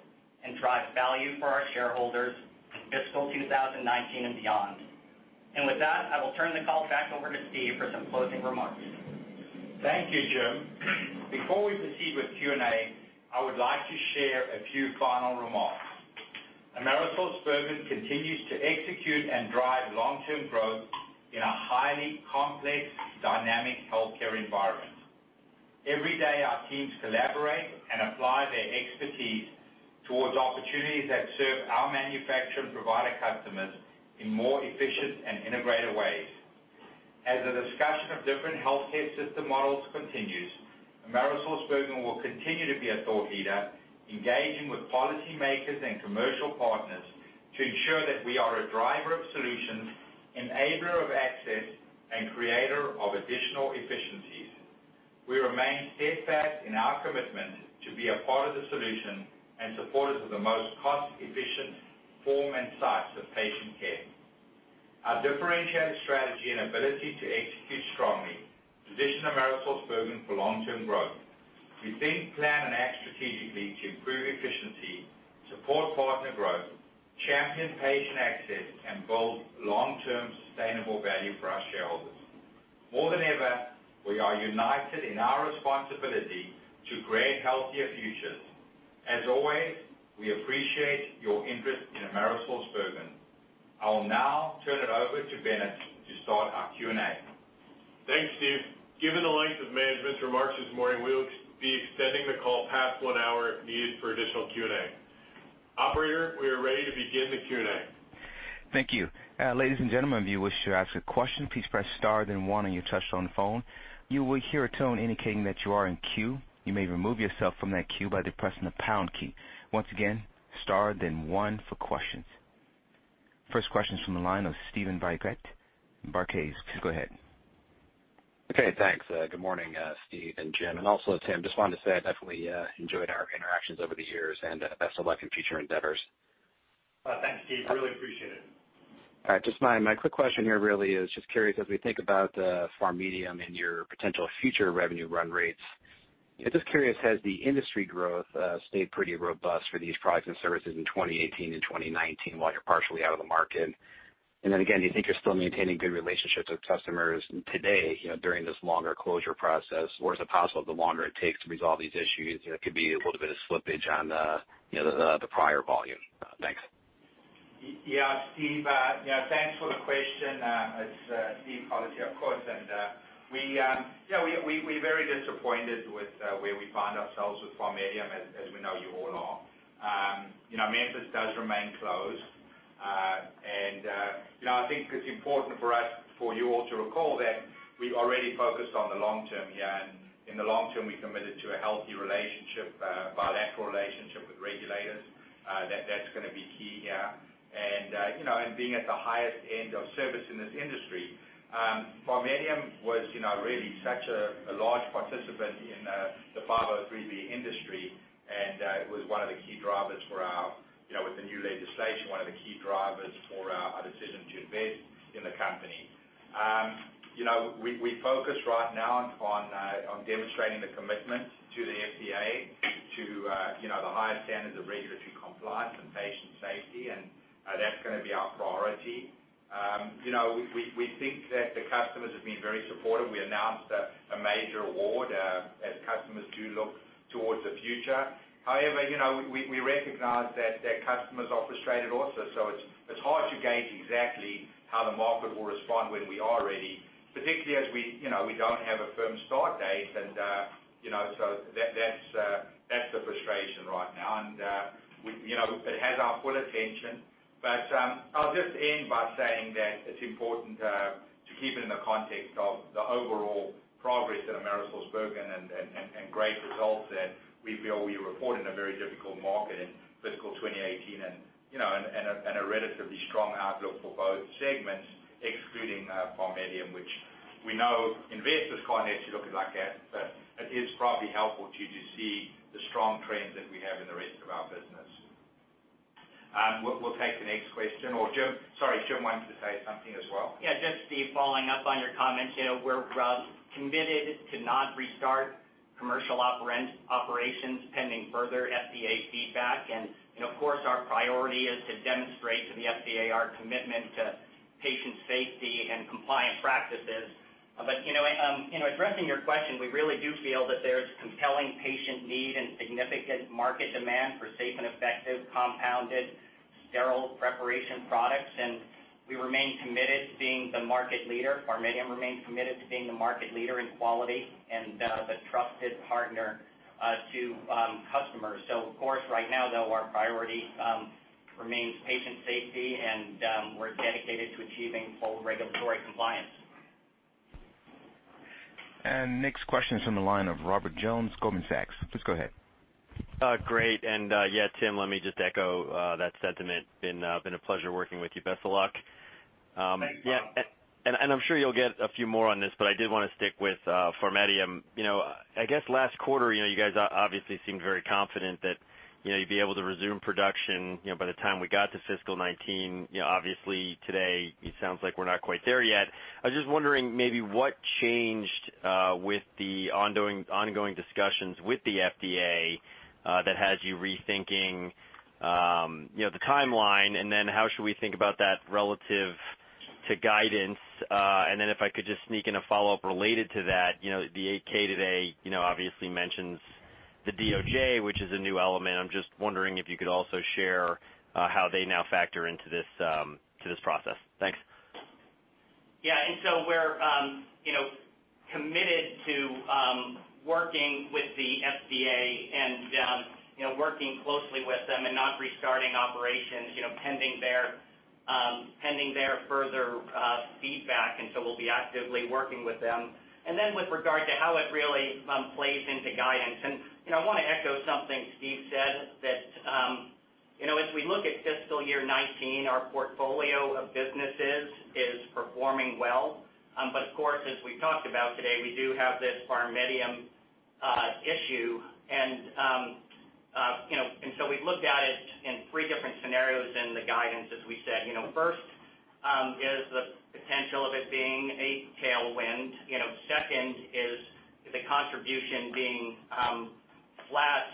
E: and drive value for our shareholders in fiscal 2019 and beyond. With that, I will turn the call back over to Steve for some closing remarks.
C: Thank you, Jim. Before we proceed with Q&A, I would like to share a few final remarks. AmerisourceBergen continues to execute and drive long-term growth in a highly complex, dynamic healthcare environment. Every day, our teams collaborate and apply their expertise towards opportunities that serve our manufacturer and provider customers in more efficient and integrated ways. As a discussion of different healthcare system models continues, AmerisourceBergen will continue to be a thought leader, engaging with policymakers and commercial partners to ensure that we are a driver of solutions, enabler of access, and creator of additional efficiencies. We remain steadfast in our commitment to be a part of the solution and supporters of the most cost-efficient form and sites of patient care. Our differentiated strategy and ability to execute strongly position AmerisourceBergen for long-term growth. We think, plan, and act strategically to improve efficiency, support partner growth, champion patient access, and build long-term sustainable value for our shareholders. More than ever, we are united in our responsibility to create healthier futures. As always, we appreciate your interest in AmerisourceBergen. I will now turn it over to Bennett to start our Q&A.
B: Thanks, Steve. Given the length of management's remarks this morning, we'll be extending the call past one hour if needed for additional Q&A. Operator, we are ready to begin the Q&A.
A: Thank you. Ladies and gentlemen, if you wish to ask a question, please press star then one on your touch-tone phone. You will hear a tone indicating that you are in queue. You may remove yourself from that queue by depressing the pound key. Once again, star then one for questions. First question's from the line of Steven Valiquette. Please go ahead.
F: Okay. Thanks. Good morning, Steve and Jim, and also Tim. Just wanted to say I definitely enjoyed our interactions over the years and best of luck in future endeavors.
D: Thanks, Steve. Really appreciate it.
F: All right. Just my quick question here really is just curious, as we think about the PharMEDium and your potential future revenue run rates, just curious, has the industry growth stayed pretty robust for these products and services in 2018 and 2019 while you're partially out of the market? Then again, do you think you're still maintaining good relationships with customers today during this longer closure process? Or is it possible the longer it takes to resolve these issues, there could be a little bit of slippage on the prior volume? Thanks.
C: Yeah, Steve. Thanks for the question. It's Steve Collis here, of course, and we're very disappointed with where we find ourselves with PharMEDium, as we know you all are. Memphis does remain closed. I think it's important for us, for you all to recall that we already focused on the long term here, and in the long term, we committed to a healthy relationship, bilateral relationship with regulators. That's going to be key here. Being at the highest end of service in this industry. PharMEDium was really such a large participant in the 503B industry, and it was with the new legislation, one of the key drivers for our decision to invest in the company. We focus right now on demonstrating the commitment to the FDA to the highest standards of regulatory compliance and patient safety, and that's going to be our priority. We think that the customers have been very supportive. We announced a major award as customers do look towards the future. We recognize that customers are frustrated also, it's hard to gauge exactly how the market will respond when we are ready, particularly as we don't have a firm start date. That's the frustration right now. It has our full attention. I'll just end by saying that it's important to keep it in the context of the overall progress that AmerisourceBergen and great results that we feel we report in a very difficult market in fiscal 2018 and a relatively strong outlook for both segments, excluding PharMEDium, which we know investors can't actually look at like that, but it is probably helpful to just see the strong trends that we have in the rest of our business. We'll take the next question, or Jim. Sorry, Jim wanted to say something as well.
E: Yeah. Just, Steve, following up on your comments. We're committed to not restart commercial operations pending further FDA feedback. Of course, our priority is to demonstrate to the FDA our commitment to patient safety and compliant practices. Addressing your question, we really do feel that there's compelling patient need and significant market demand for safe and effective compounded sterile preparation products, and we remain committed to being the market leader. PharMEDium remains committed to being the market leader in quality and the trusted partner to customers. Of course, right now, though, our priority remains patient safety, and we're dedicated to achieving full regulatory compliance.
A: Next question is from the line of Robert Jones, Goldman Sachs. Please go ahead.
G: Great. Yeah, Tim, let me just echo that sentiment. Been a pleasure working with you. Best of luck.
D: Thanks, Robert.
G: I'm sure you'll get a few more on this, but I did want to stick with PharMEDium. I guess last quarter, you guys obviously seemed very confident that you'd be able to resume production by the time we got to fiscal 2019. Obviously, today it sounds like we're not quite there yet. I was just wondering maybe what changed with the ongoing discussions with the FDA that has you rethinking the timeline, and then how should we think about that relative to guidance? Then if I could just sneak in a follow-up related to that, the 8-K today obviously mentions the DOJ, which is a new element. I'm just wondering if you could also share how they now factor into this process. Thanks.
E: Yeah. We're committed to working with the FDA and working closely with them and not restarting operations pending their further feedback. We'll be actively working with them. With regard to how it really plays into guidance, I want to echo something Steve said that as we look at FY 2019, our portfolio of businesses is performing well. Of course, as we talked about today, we do have this PharMEDium issue. We've looked at it in three different scenarios in the guidance, as we said. First is the potential of it being a tailwind. Second is the contribution being flat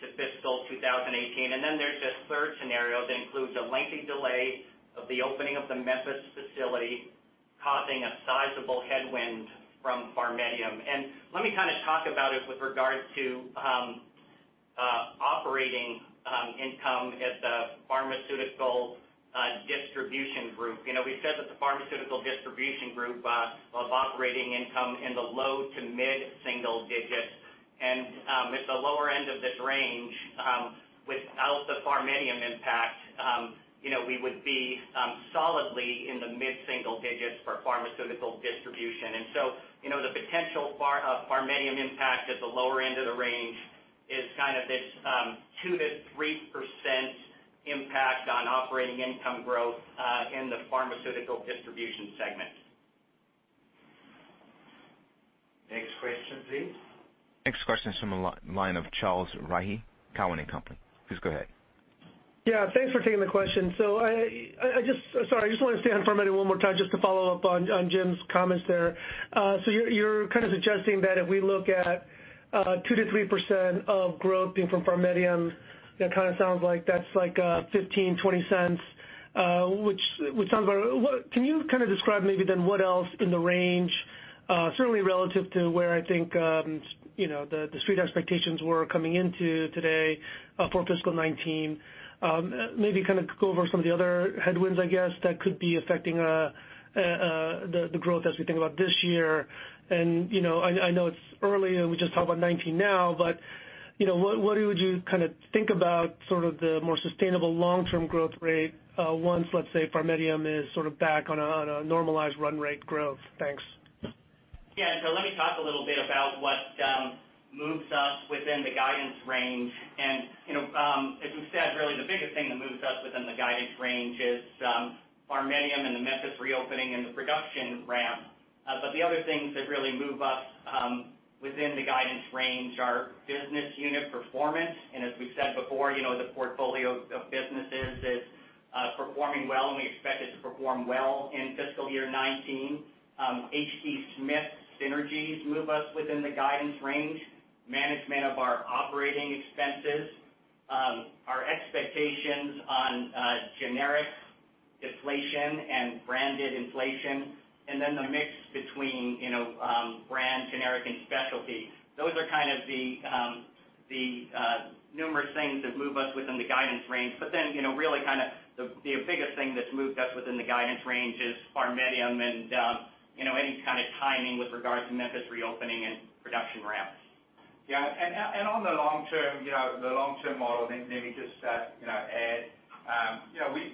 E: to FY 2018. There's this third scenario that includes a lengthy delay of the opening of the Memphis facility, causing a sizable headwind from PharMEDium. Let me kind of talk about it with regards to operating income at the Pharmaceutical Distribution group. We said that the Pharmaceutical Distribution group of operating income in the low to mid-single digits. At the lower end of this range, without the PharMEDium impact, we would be solidly in the mid-single digits for Pharmaceutical Distribution. The potential PharMEDium impact at the lower end of the range is this 2%-3% impact on operating income growth in the Pharmaceutical Distribution segment.
C: Next question please.
A: Next question is from the line of Charles Rhyee, Cowen and Company. Please go ahead.
H: Yeah, thanks for taking the question. Sorry, I just want to stay on PharMEDium one more time just to follow up on Jim's comments there. You're suggesting that if we look at 2%-3% of growth being from PharMEDium, that sounds like that's $0.15-$0.20, which sounds about right. Can you describe maybe what else in the range, certainly relative to where I think, the street expectations were coming into today for fiscal 2019? Maybe go over some of the other headwinds, I guess, that could be affecting the growth as we think about this year. I know it's early and we just talked about 2019 now, what would you think about the more sustainable long-term growth rate once, let's say, PharMEDium is back on a normalized run rate growth? Thanks.
E: Yeah, let me talk a little bit about what moves us within the guidance range. As we've said, really the biggest thing that moves us within the guidance range is PharMEDium and the Memphis reopening and the production ramp. The other things that really move us within the guidance range are business unit performance, and as we've said before, the portfolio of businesses is performing well, and we expect it to perform well in fiscal year 2019. H.D. Smith synergies move us within the guidance range, management of our operating expenses, our expectations on generic deflation and branded inflation, the mix between brand generic and specialty. Those are the numerous things that move us within the guidance range. Really the biggest thing that's moved us within the guidance range is PharMEDium and any kind of timing with regards to Memphis reopening and production ramps.
C: Yeah. On the long term, the long-term model, maybe just add,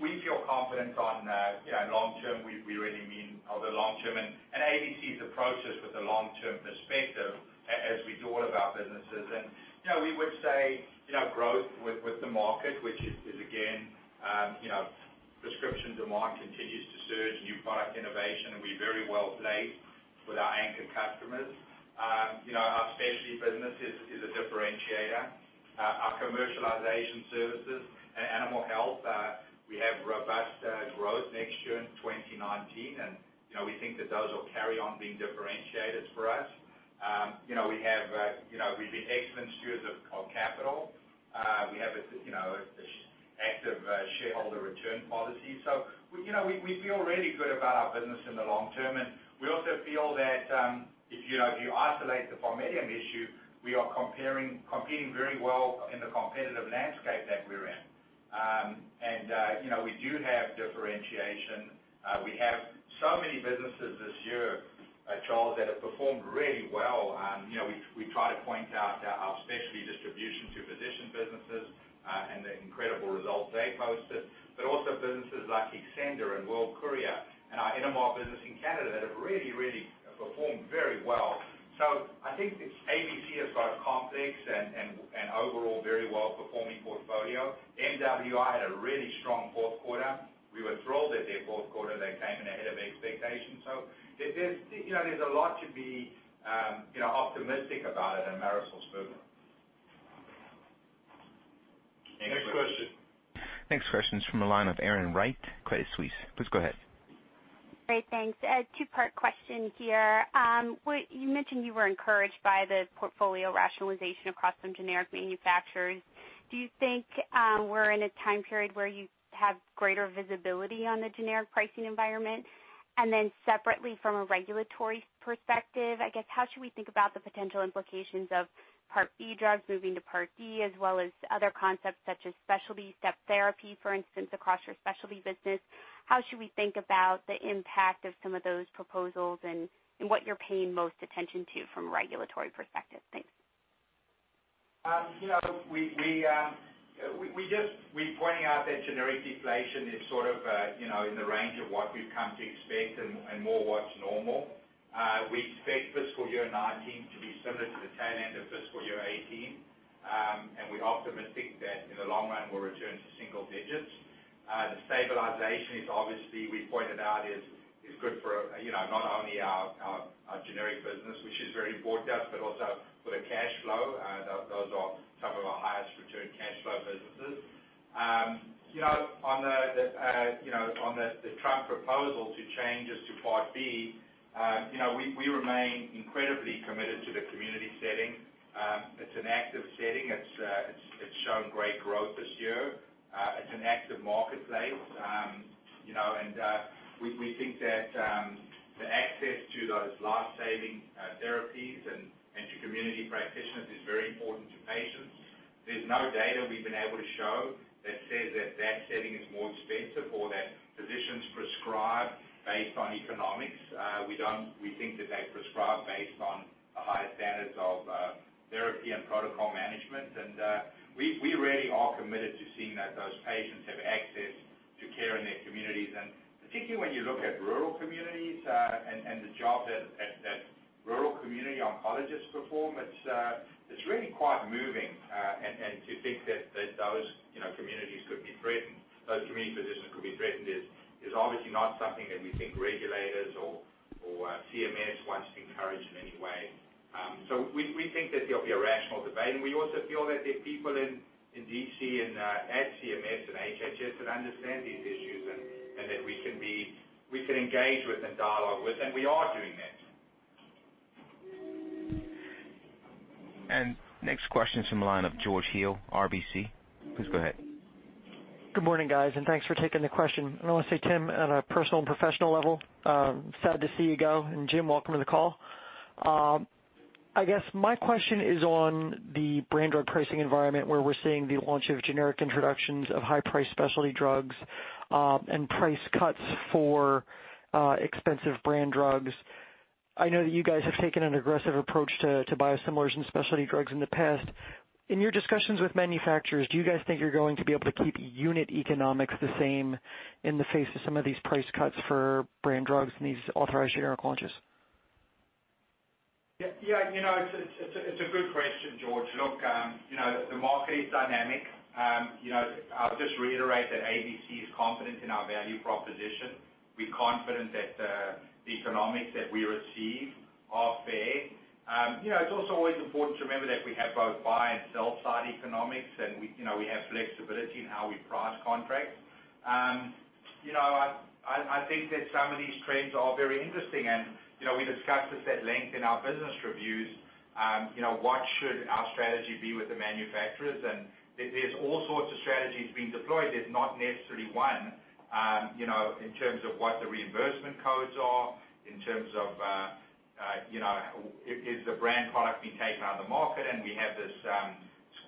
C: we feel confident on long term, we really mean the long term, ABC's approach is with a long-term perspective, as with all of our businesses. We would say, growth with the market, which is again, prescription demand continues to surge, new product innovation. We're very well placed with our anchor customers. Our specialty business is a differentiator. Our Global Commercialization Services and Animal Health, we have robust growth next year in 2019. We think that those will carry on being differentiators for us. We've been excellent stewards of capital. We have an active shareholder return policy. We feel really good about our business in the long term, and we also feel that, if you isolate the PharMEDium issue, we are competing very well in the competitive landscape that we're in. We do have differentiation. We have so many businesses this year, Charles, that have performed really well. We try to point out our specialty distribution to physician businesses, and the incredible results they posted, but also businesses like Xcenda and World Courier and our animal business in Canada that have really performed very well. I think ABC has got a complex and overall very well-performing portfolio. MWI had a really strong fourth quarter. We were thrilled that their fourth quarter, they came in ahead of expectations. There's a lot to be optimistic about at AmerisourceBergen.
E: Next question.
A: Next question's from the line of Erin Wright, Credit Suisse. Please go ahead.
I: Great. Thanks. A two-part question here. You mentioned you were encouraged by the portfolio rationalization across some generic manufacturers. Do you think we're in a time period where you have greater visibility on the generic pricing environment? Separately, from a regulatory perspective, I guess, how should we think about the potential implications of Part B drugs moving to Part D, as well as other concepts such as specialty step therapy, for instance, across your specialty business? How should we think about the impact of some of those proposals and what you're paying most attention to from a regulatory perspective? Thanks.
C: We're pointing out that generic deflation is in the range of what we've come to expect and more what's normal. We expect fiscal year 2019 to be similar to the tail end of fiscal year 2018. We're optimistic that in the long run, we'll return to single digits. The stabilization is obviously, we pointed out, is good for not only our generic business, which is very important to us, but also for the cash flow. Those are some of our highest return cash flow businesses. On the Trump proposal to changes to Part B, we remain incredibly committed to the community setting. It's an active setting. It's shown great growth this year. It's an active marketplace. We think that the access to those life-saving therapies and to community practitioners is very important to patients. There's no data we've been able to show that says that that setting is more expensive or that physicians prescribe based on economics. We think that they prescribe based on the highest standards of therapy and protocol management. We really are committed to seeing that those patients have access to care in their communities. Particularly when you look at rural communities, and the job that rural community oncologists perform, it's really quite moving. To think that those communities could be threatened, those community physicians could be threatened is obviously not something that we think regulators or CMS wants to encourage in any way. We think that there'll be a rational debate, and we also feel that there are people in D.C. and at CMS and HHS that understand these issues and that we can engage with and dialogue with, and we are doing that.
A: Next question is from the line of George Hill, RBC. Please go ahead.
J: Good morning, guys, and thanks for taking the question. I want to say, Tim, on a personal and professional level, sad to see you go. Jim, welcome to the call. I guess my question is on the brand drug pricing environment, where we're seeing the launch of generic introductions of high-price specialty drugs and price cuts for expensive brand drugs. I know that you guys have taken an aggressive approach to biosimilars and specialty drugs in the past. In your discussions with manufacturers, do you guys think you're going to be able to keep unit economics the same in the face of some of these price cuts for brand drugs and these authorized generic launches?
C: Yeah. It's a good question, George. Look, the market is dynamic. I'll just reiterate that ABC is confident in our value proposition. We're confident that the economics that we receive are fair. It's also always important to remember that we have both buy and sell-side economics, and we have flexibility in how we price contracts. I think that some of these trends are very interesting, and we discussed this at length in our business reviews, what should our strategy be with the manufacturers, and there's all sorts of strategies being deployed. There's not necessarily one, in terms of what the reimbursement codes are, in terms of, is the brand product being taken out of the market and we have this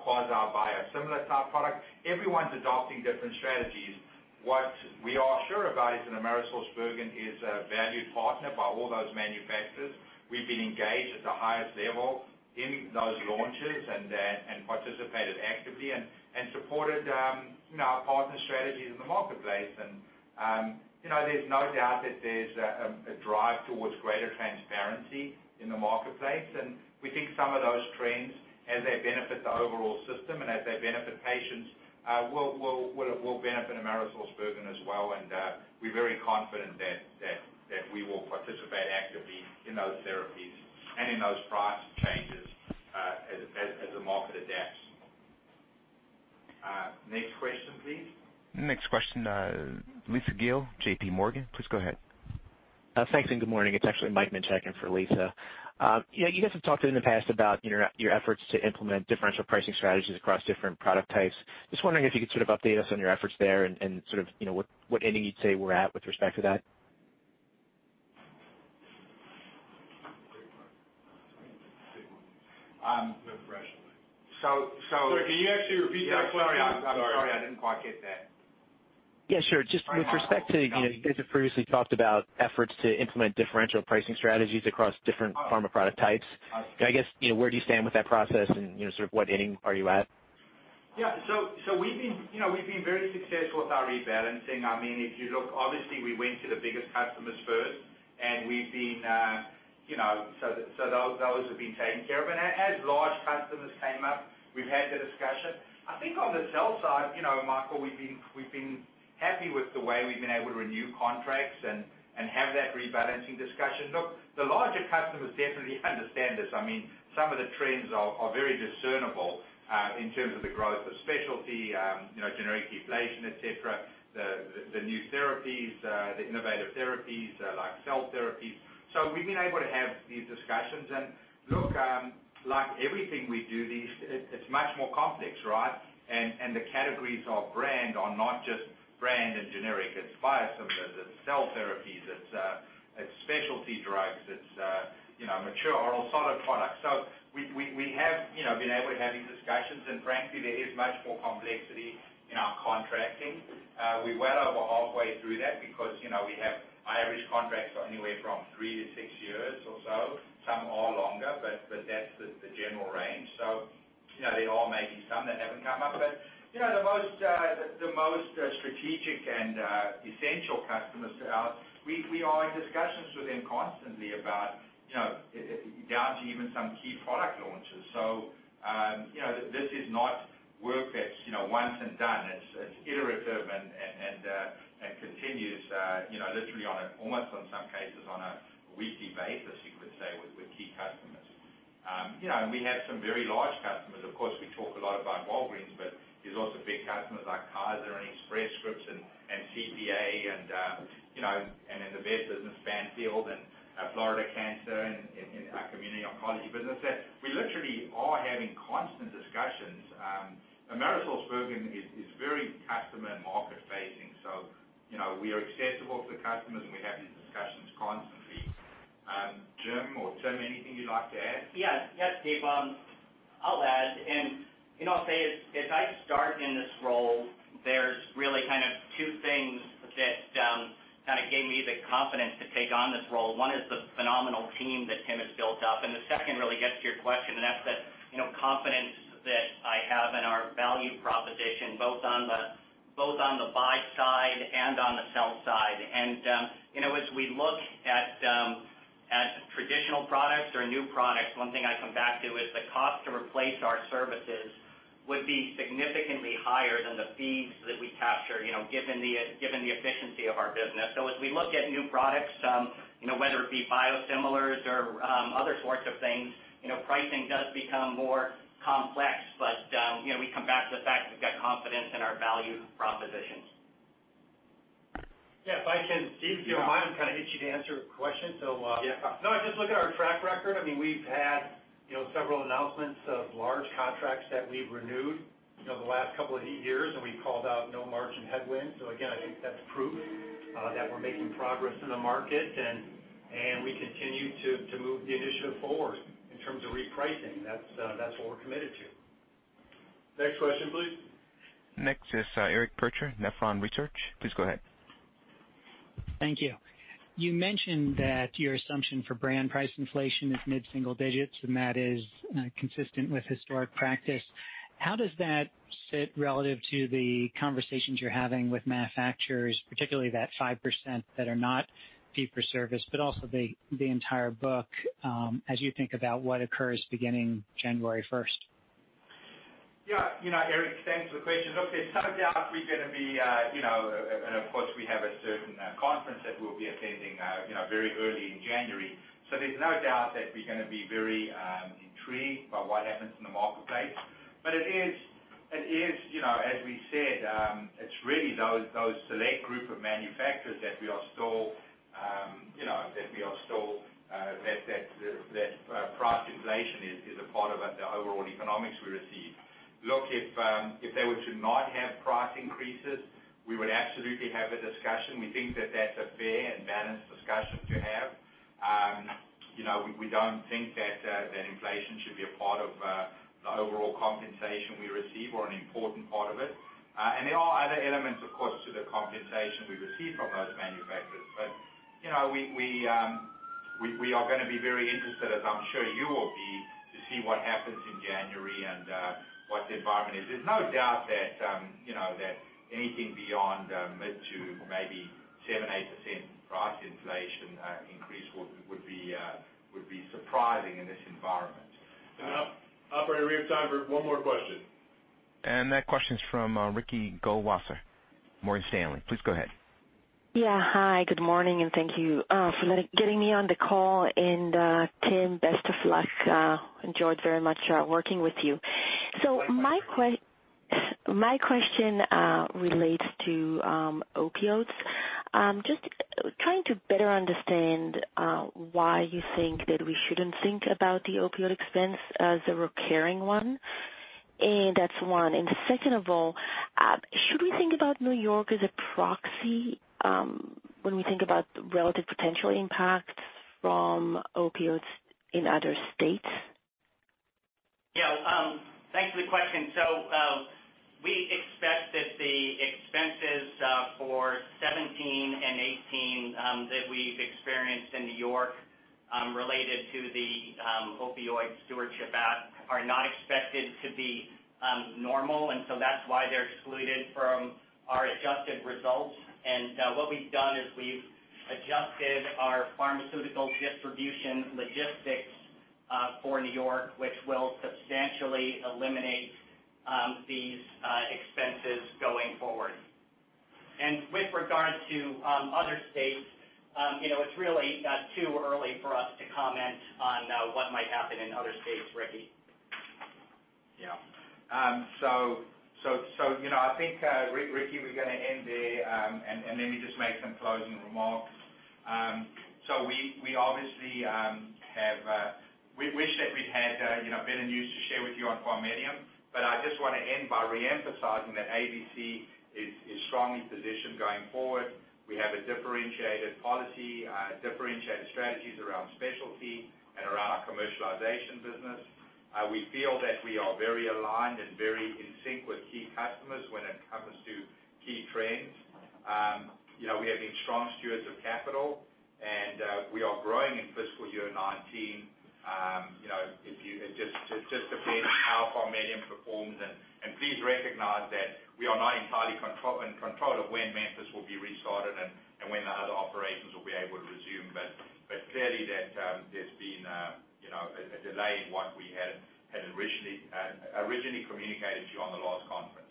C: quasi biosimilar-type product. Everyone's adopting different strategies. What we are sure about is that AmerisourceBergen is a valued partner by all those manufacturers. We've been engaged at the highest level in those launches and participated actively and supported our partner strategies in the marketplace. There's no doubt that there's a drive towards greater transparency in the marketplace, and we think some of those trends, as they benefit the overall system and as they benefit patients, will benefit AmerisourceBergen as well. We're very confident that we will participate actively in those therapies and in those price changes as the market adapts. Next question, please.
A: Next question, Lisa Gill, J.P. Morgan. Please go ahead.
K: Thanks. Good morning. It's actually Michael Minchak in for Lisa. You guys have talked in the past about your efforts to implement differential pricing strategies across different product types. Just wondering if you could sort of update us on your efforts there and sort of what ending you'd say we're at with respect to that.
C: Sir, can you actually repeat that question? I'm sorry. Yeah, sorry. I'm sorry. I didn't quite get that.
K: Yeah, sure. Just with respect to, you guys have previously talked about efforts to implement differential pricing strategies across different pharma product types.
C: Oh.
K: I guess, where do you stand with that process and sort of what ending are you at?
C: Yeah. We've been very successful with our rebalancing. If you look, obviously, we went to the biggest customers first, so those have been taken care of. As large customers came up, we've had the discussion. I think on the sell side, Michael, we've been happy with the way we've been able to renew contracts and have that rebalancing discussion. Look, the larger customers definitely understand this. Some of the trends are very discernible in terms of the growth of specialty, generic deflation, et cetera, the new therapies, the innovative therapies like cell therapies. We've been able to have these discussions. Look, like everything we do, it's much more complex, right? The categories of brand are not just brand and generic. It's biosimilars. It's cell therapies. It's specialty drugs. It's mature oral solid products. We have been able to have these discussions, and frankly, there is much more complexity in our contracting. We're well over halfway through that because we have average contracts of anywhere from three to six years or so. Some are longer, but that's the general range. There are maybe some that haven't come up. The most strategic and essential customers, we are in discussions with them constantly about down to even some key product launches. This is not work that's once and done. It's iterative and continues literally almost in some cases, on a weekly basis, you could say, with key customers. We have some very large customers. Of course, we talk a lot about Walgreens, but there's also big customers like Kaiser and Express Scripts and CVS, and in the vet business, Banfield and Florida Cancer in our community oncology business that we literally are having constant discussions. AmerisourceBergen is very customer- and market-facing. We are accessible to customers, and we have these discussions constantly. Jim or Tim, anything you'd like to add?
E: Yes, Steve. I'll add, I'll say, as I start in this role, there's really two things that gave me the confidence to take on this role. One is the phenomenal team that Tim has built up, the second really gets to your question, and that's the confidence that I have in our value proposition, both on the buy side and on the sell side. As we look at traditional products or new products, one thing I come back to is the cost to replace our services would be significantly higher than the fees that we capture, given the efficiency of our business. As we look at new products, whether it be biosimilars or other sorts of things, pricing does become more complex, but we come back to the fact that we've got confidence in our value propositions.
D: Yeah, if I can, Steve, if you don't mind, I'm hitting you to answer a question.
C: Yeah.
D: No, just look at our track record. We've had several announcements of large contracts that we've renewed the last couple of years. We've called out no margin headwinds. Again, I think that's proof that we're making progress in the market. We continue to move the initiative forward in terms of repricing. That's what we're committed to.
C: Next question, please.
A: Next is Eric Percher, Nephron Research. Please go ahead.
L: Thank you. You mentioned that your assumption for brand price inflation is mid-single digits, and that is consistent with historic practice. How does that sit relative to the conversations you're having with manufacturers, particularly that 5% that are not fee-for-service, but also the entire book, as you think about what occurs beginning January 1st?
C: Eric, thanks for the question. Look, there's no doubt we're going to be, and of course, we have a certain conference that we'll be attending very early in January. There's no doubt that we're going to be very intrigued by what happens in the marketplace. It is, as we said, it's really those select group of manufacturers that price inflation is a part of the overall economics we receive. Look, if they were to not have price increases, we would absolutely have a discussion. We think that that's a fair and balanced discussion to have. We don't think that inflation should be a part of the overall compensation we receive or an important part of it. There are other elements, of course, to the compensation we receive from those manufacturers. We are going to be very interested, as I'm sure you will be, to see what happens in January and what the environment is. There's no doubt that anything beyond mid to maybe 7%, 8% price inflation increase would be surprising in this environment.
D: Operator, we have time for one more question.
A: That question is from Ricky Goldwasser, Morgan Stanley. Please go ahead.
M: Hi, good morning, thank you for getting me on the call. Tim, best of luck. Enjoyed very much working with you. My question relates to opioids. Just trying to better understand why you think that we shouldn't think about the opioid expense as a recurring one. That's one. Second of all, should we think about New York as a proxy when we think about the relative potential impact from opioids in other states?
E: Thanks for the question. We expect that the expenses for 2017 and 2018 that we've experienced in New York related to the Opioid Stewardship Act are not expected to be normal, that's why they're excluded from our adjusted results. What we've done is we've adjusted our pharmaceutical distribution logistics for New York, which will substantially eliminate these expenses going forward. With regards to other states, it's really too early for us to comment on what might happen in other states, Ricky.
C: I think, Ricky, we're going to end there, let me just make some closing remarks. We obviously wish that we had better news to share with you on PharMEDium, I just want to end by re-emphasizing that ABC is strongly positioned going forward. We have a differentiated policy, differentiated strategies around specialty and around our commercialization business. We feel that we are very aligned and very in sync with key customers when it comes to key trends. We have been strong stewards of capital, we are growing in FY 2019. It just depends how PharMEDium performs, please recognize that we are not entirely in control of when Memphis will be restarted and when the other operations will be able to resume. Clearly, there's been a delay in what we had originally communicated to you on the last conference.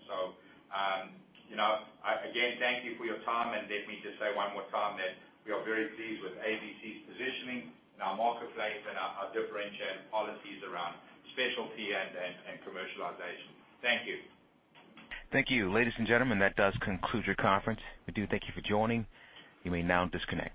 C: Again, thank you for your time, and let me just say one more time that we are very pleased with ABC's positioning in our marketplace and our differentiated policies around specialty and commercialization. Thank you.
A: Thank you. Ladies and gentlemen, that does conclude your conference. We do thank you for joining. You may now disconnect.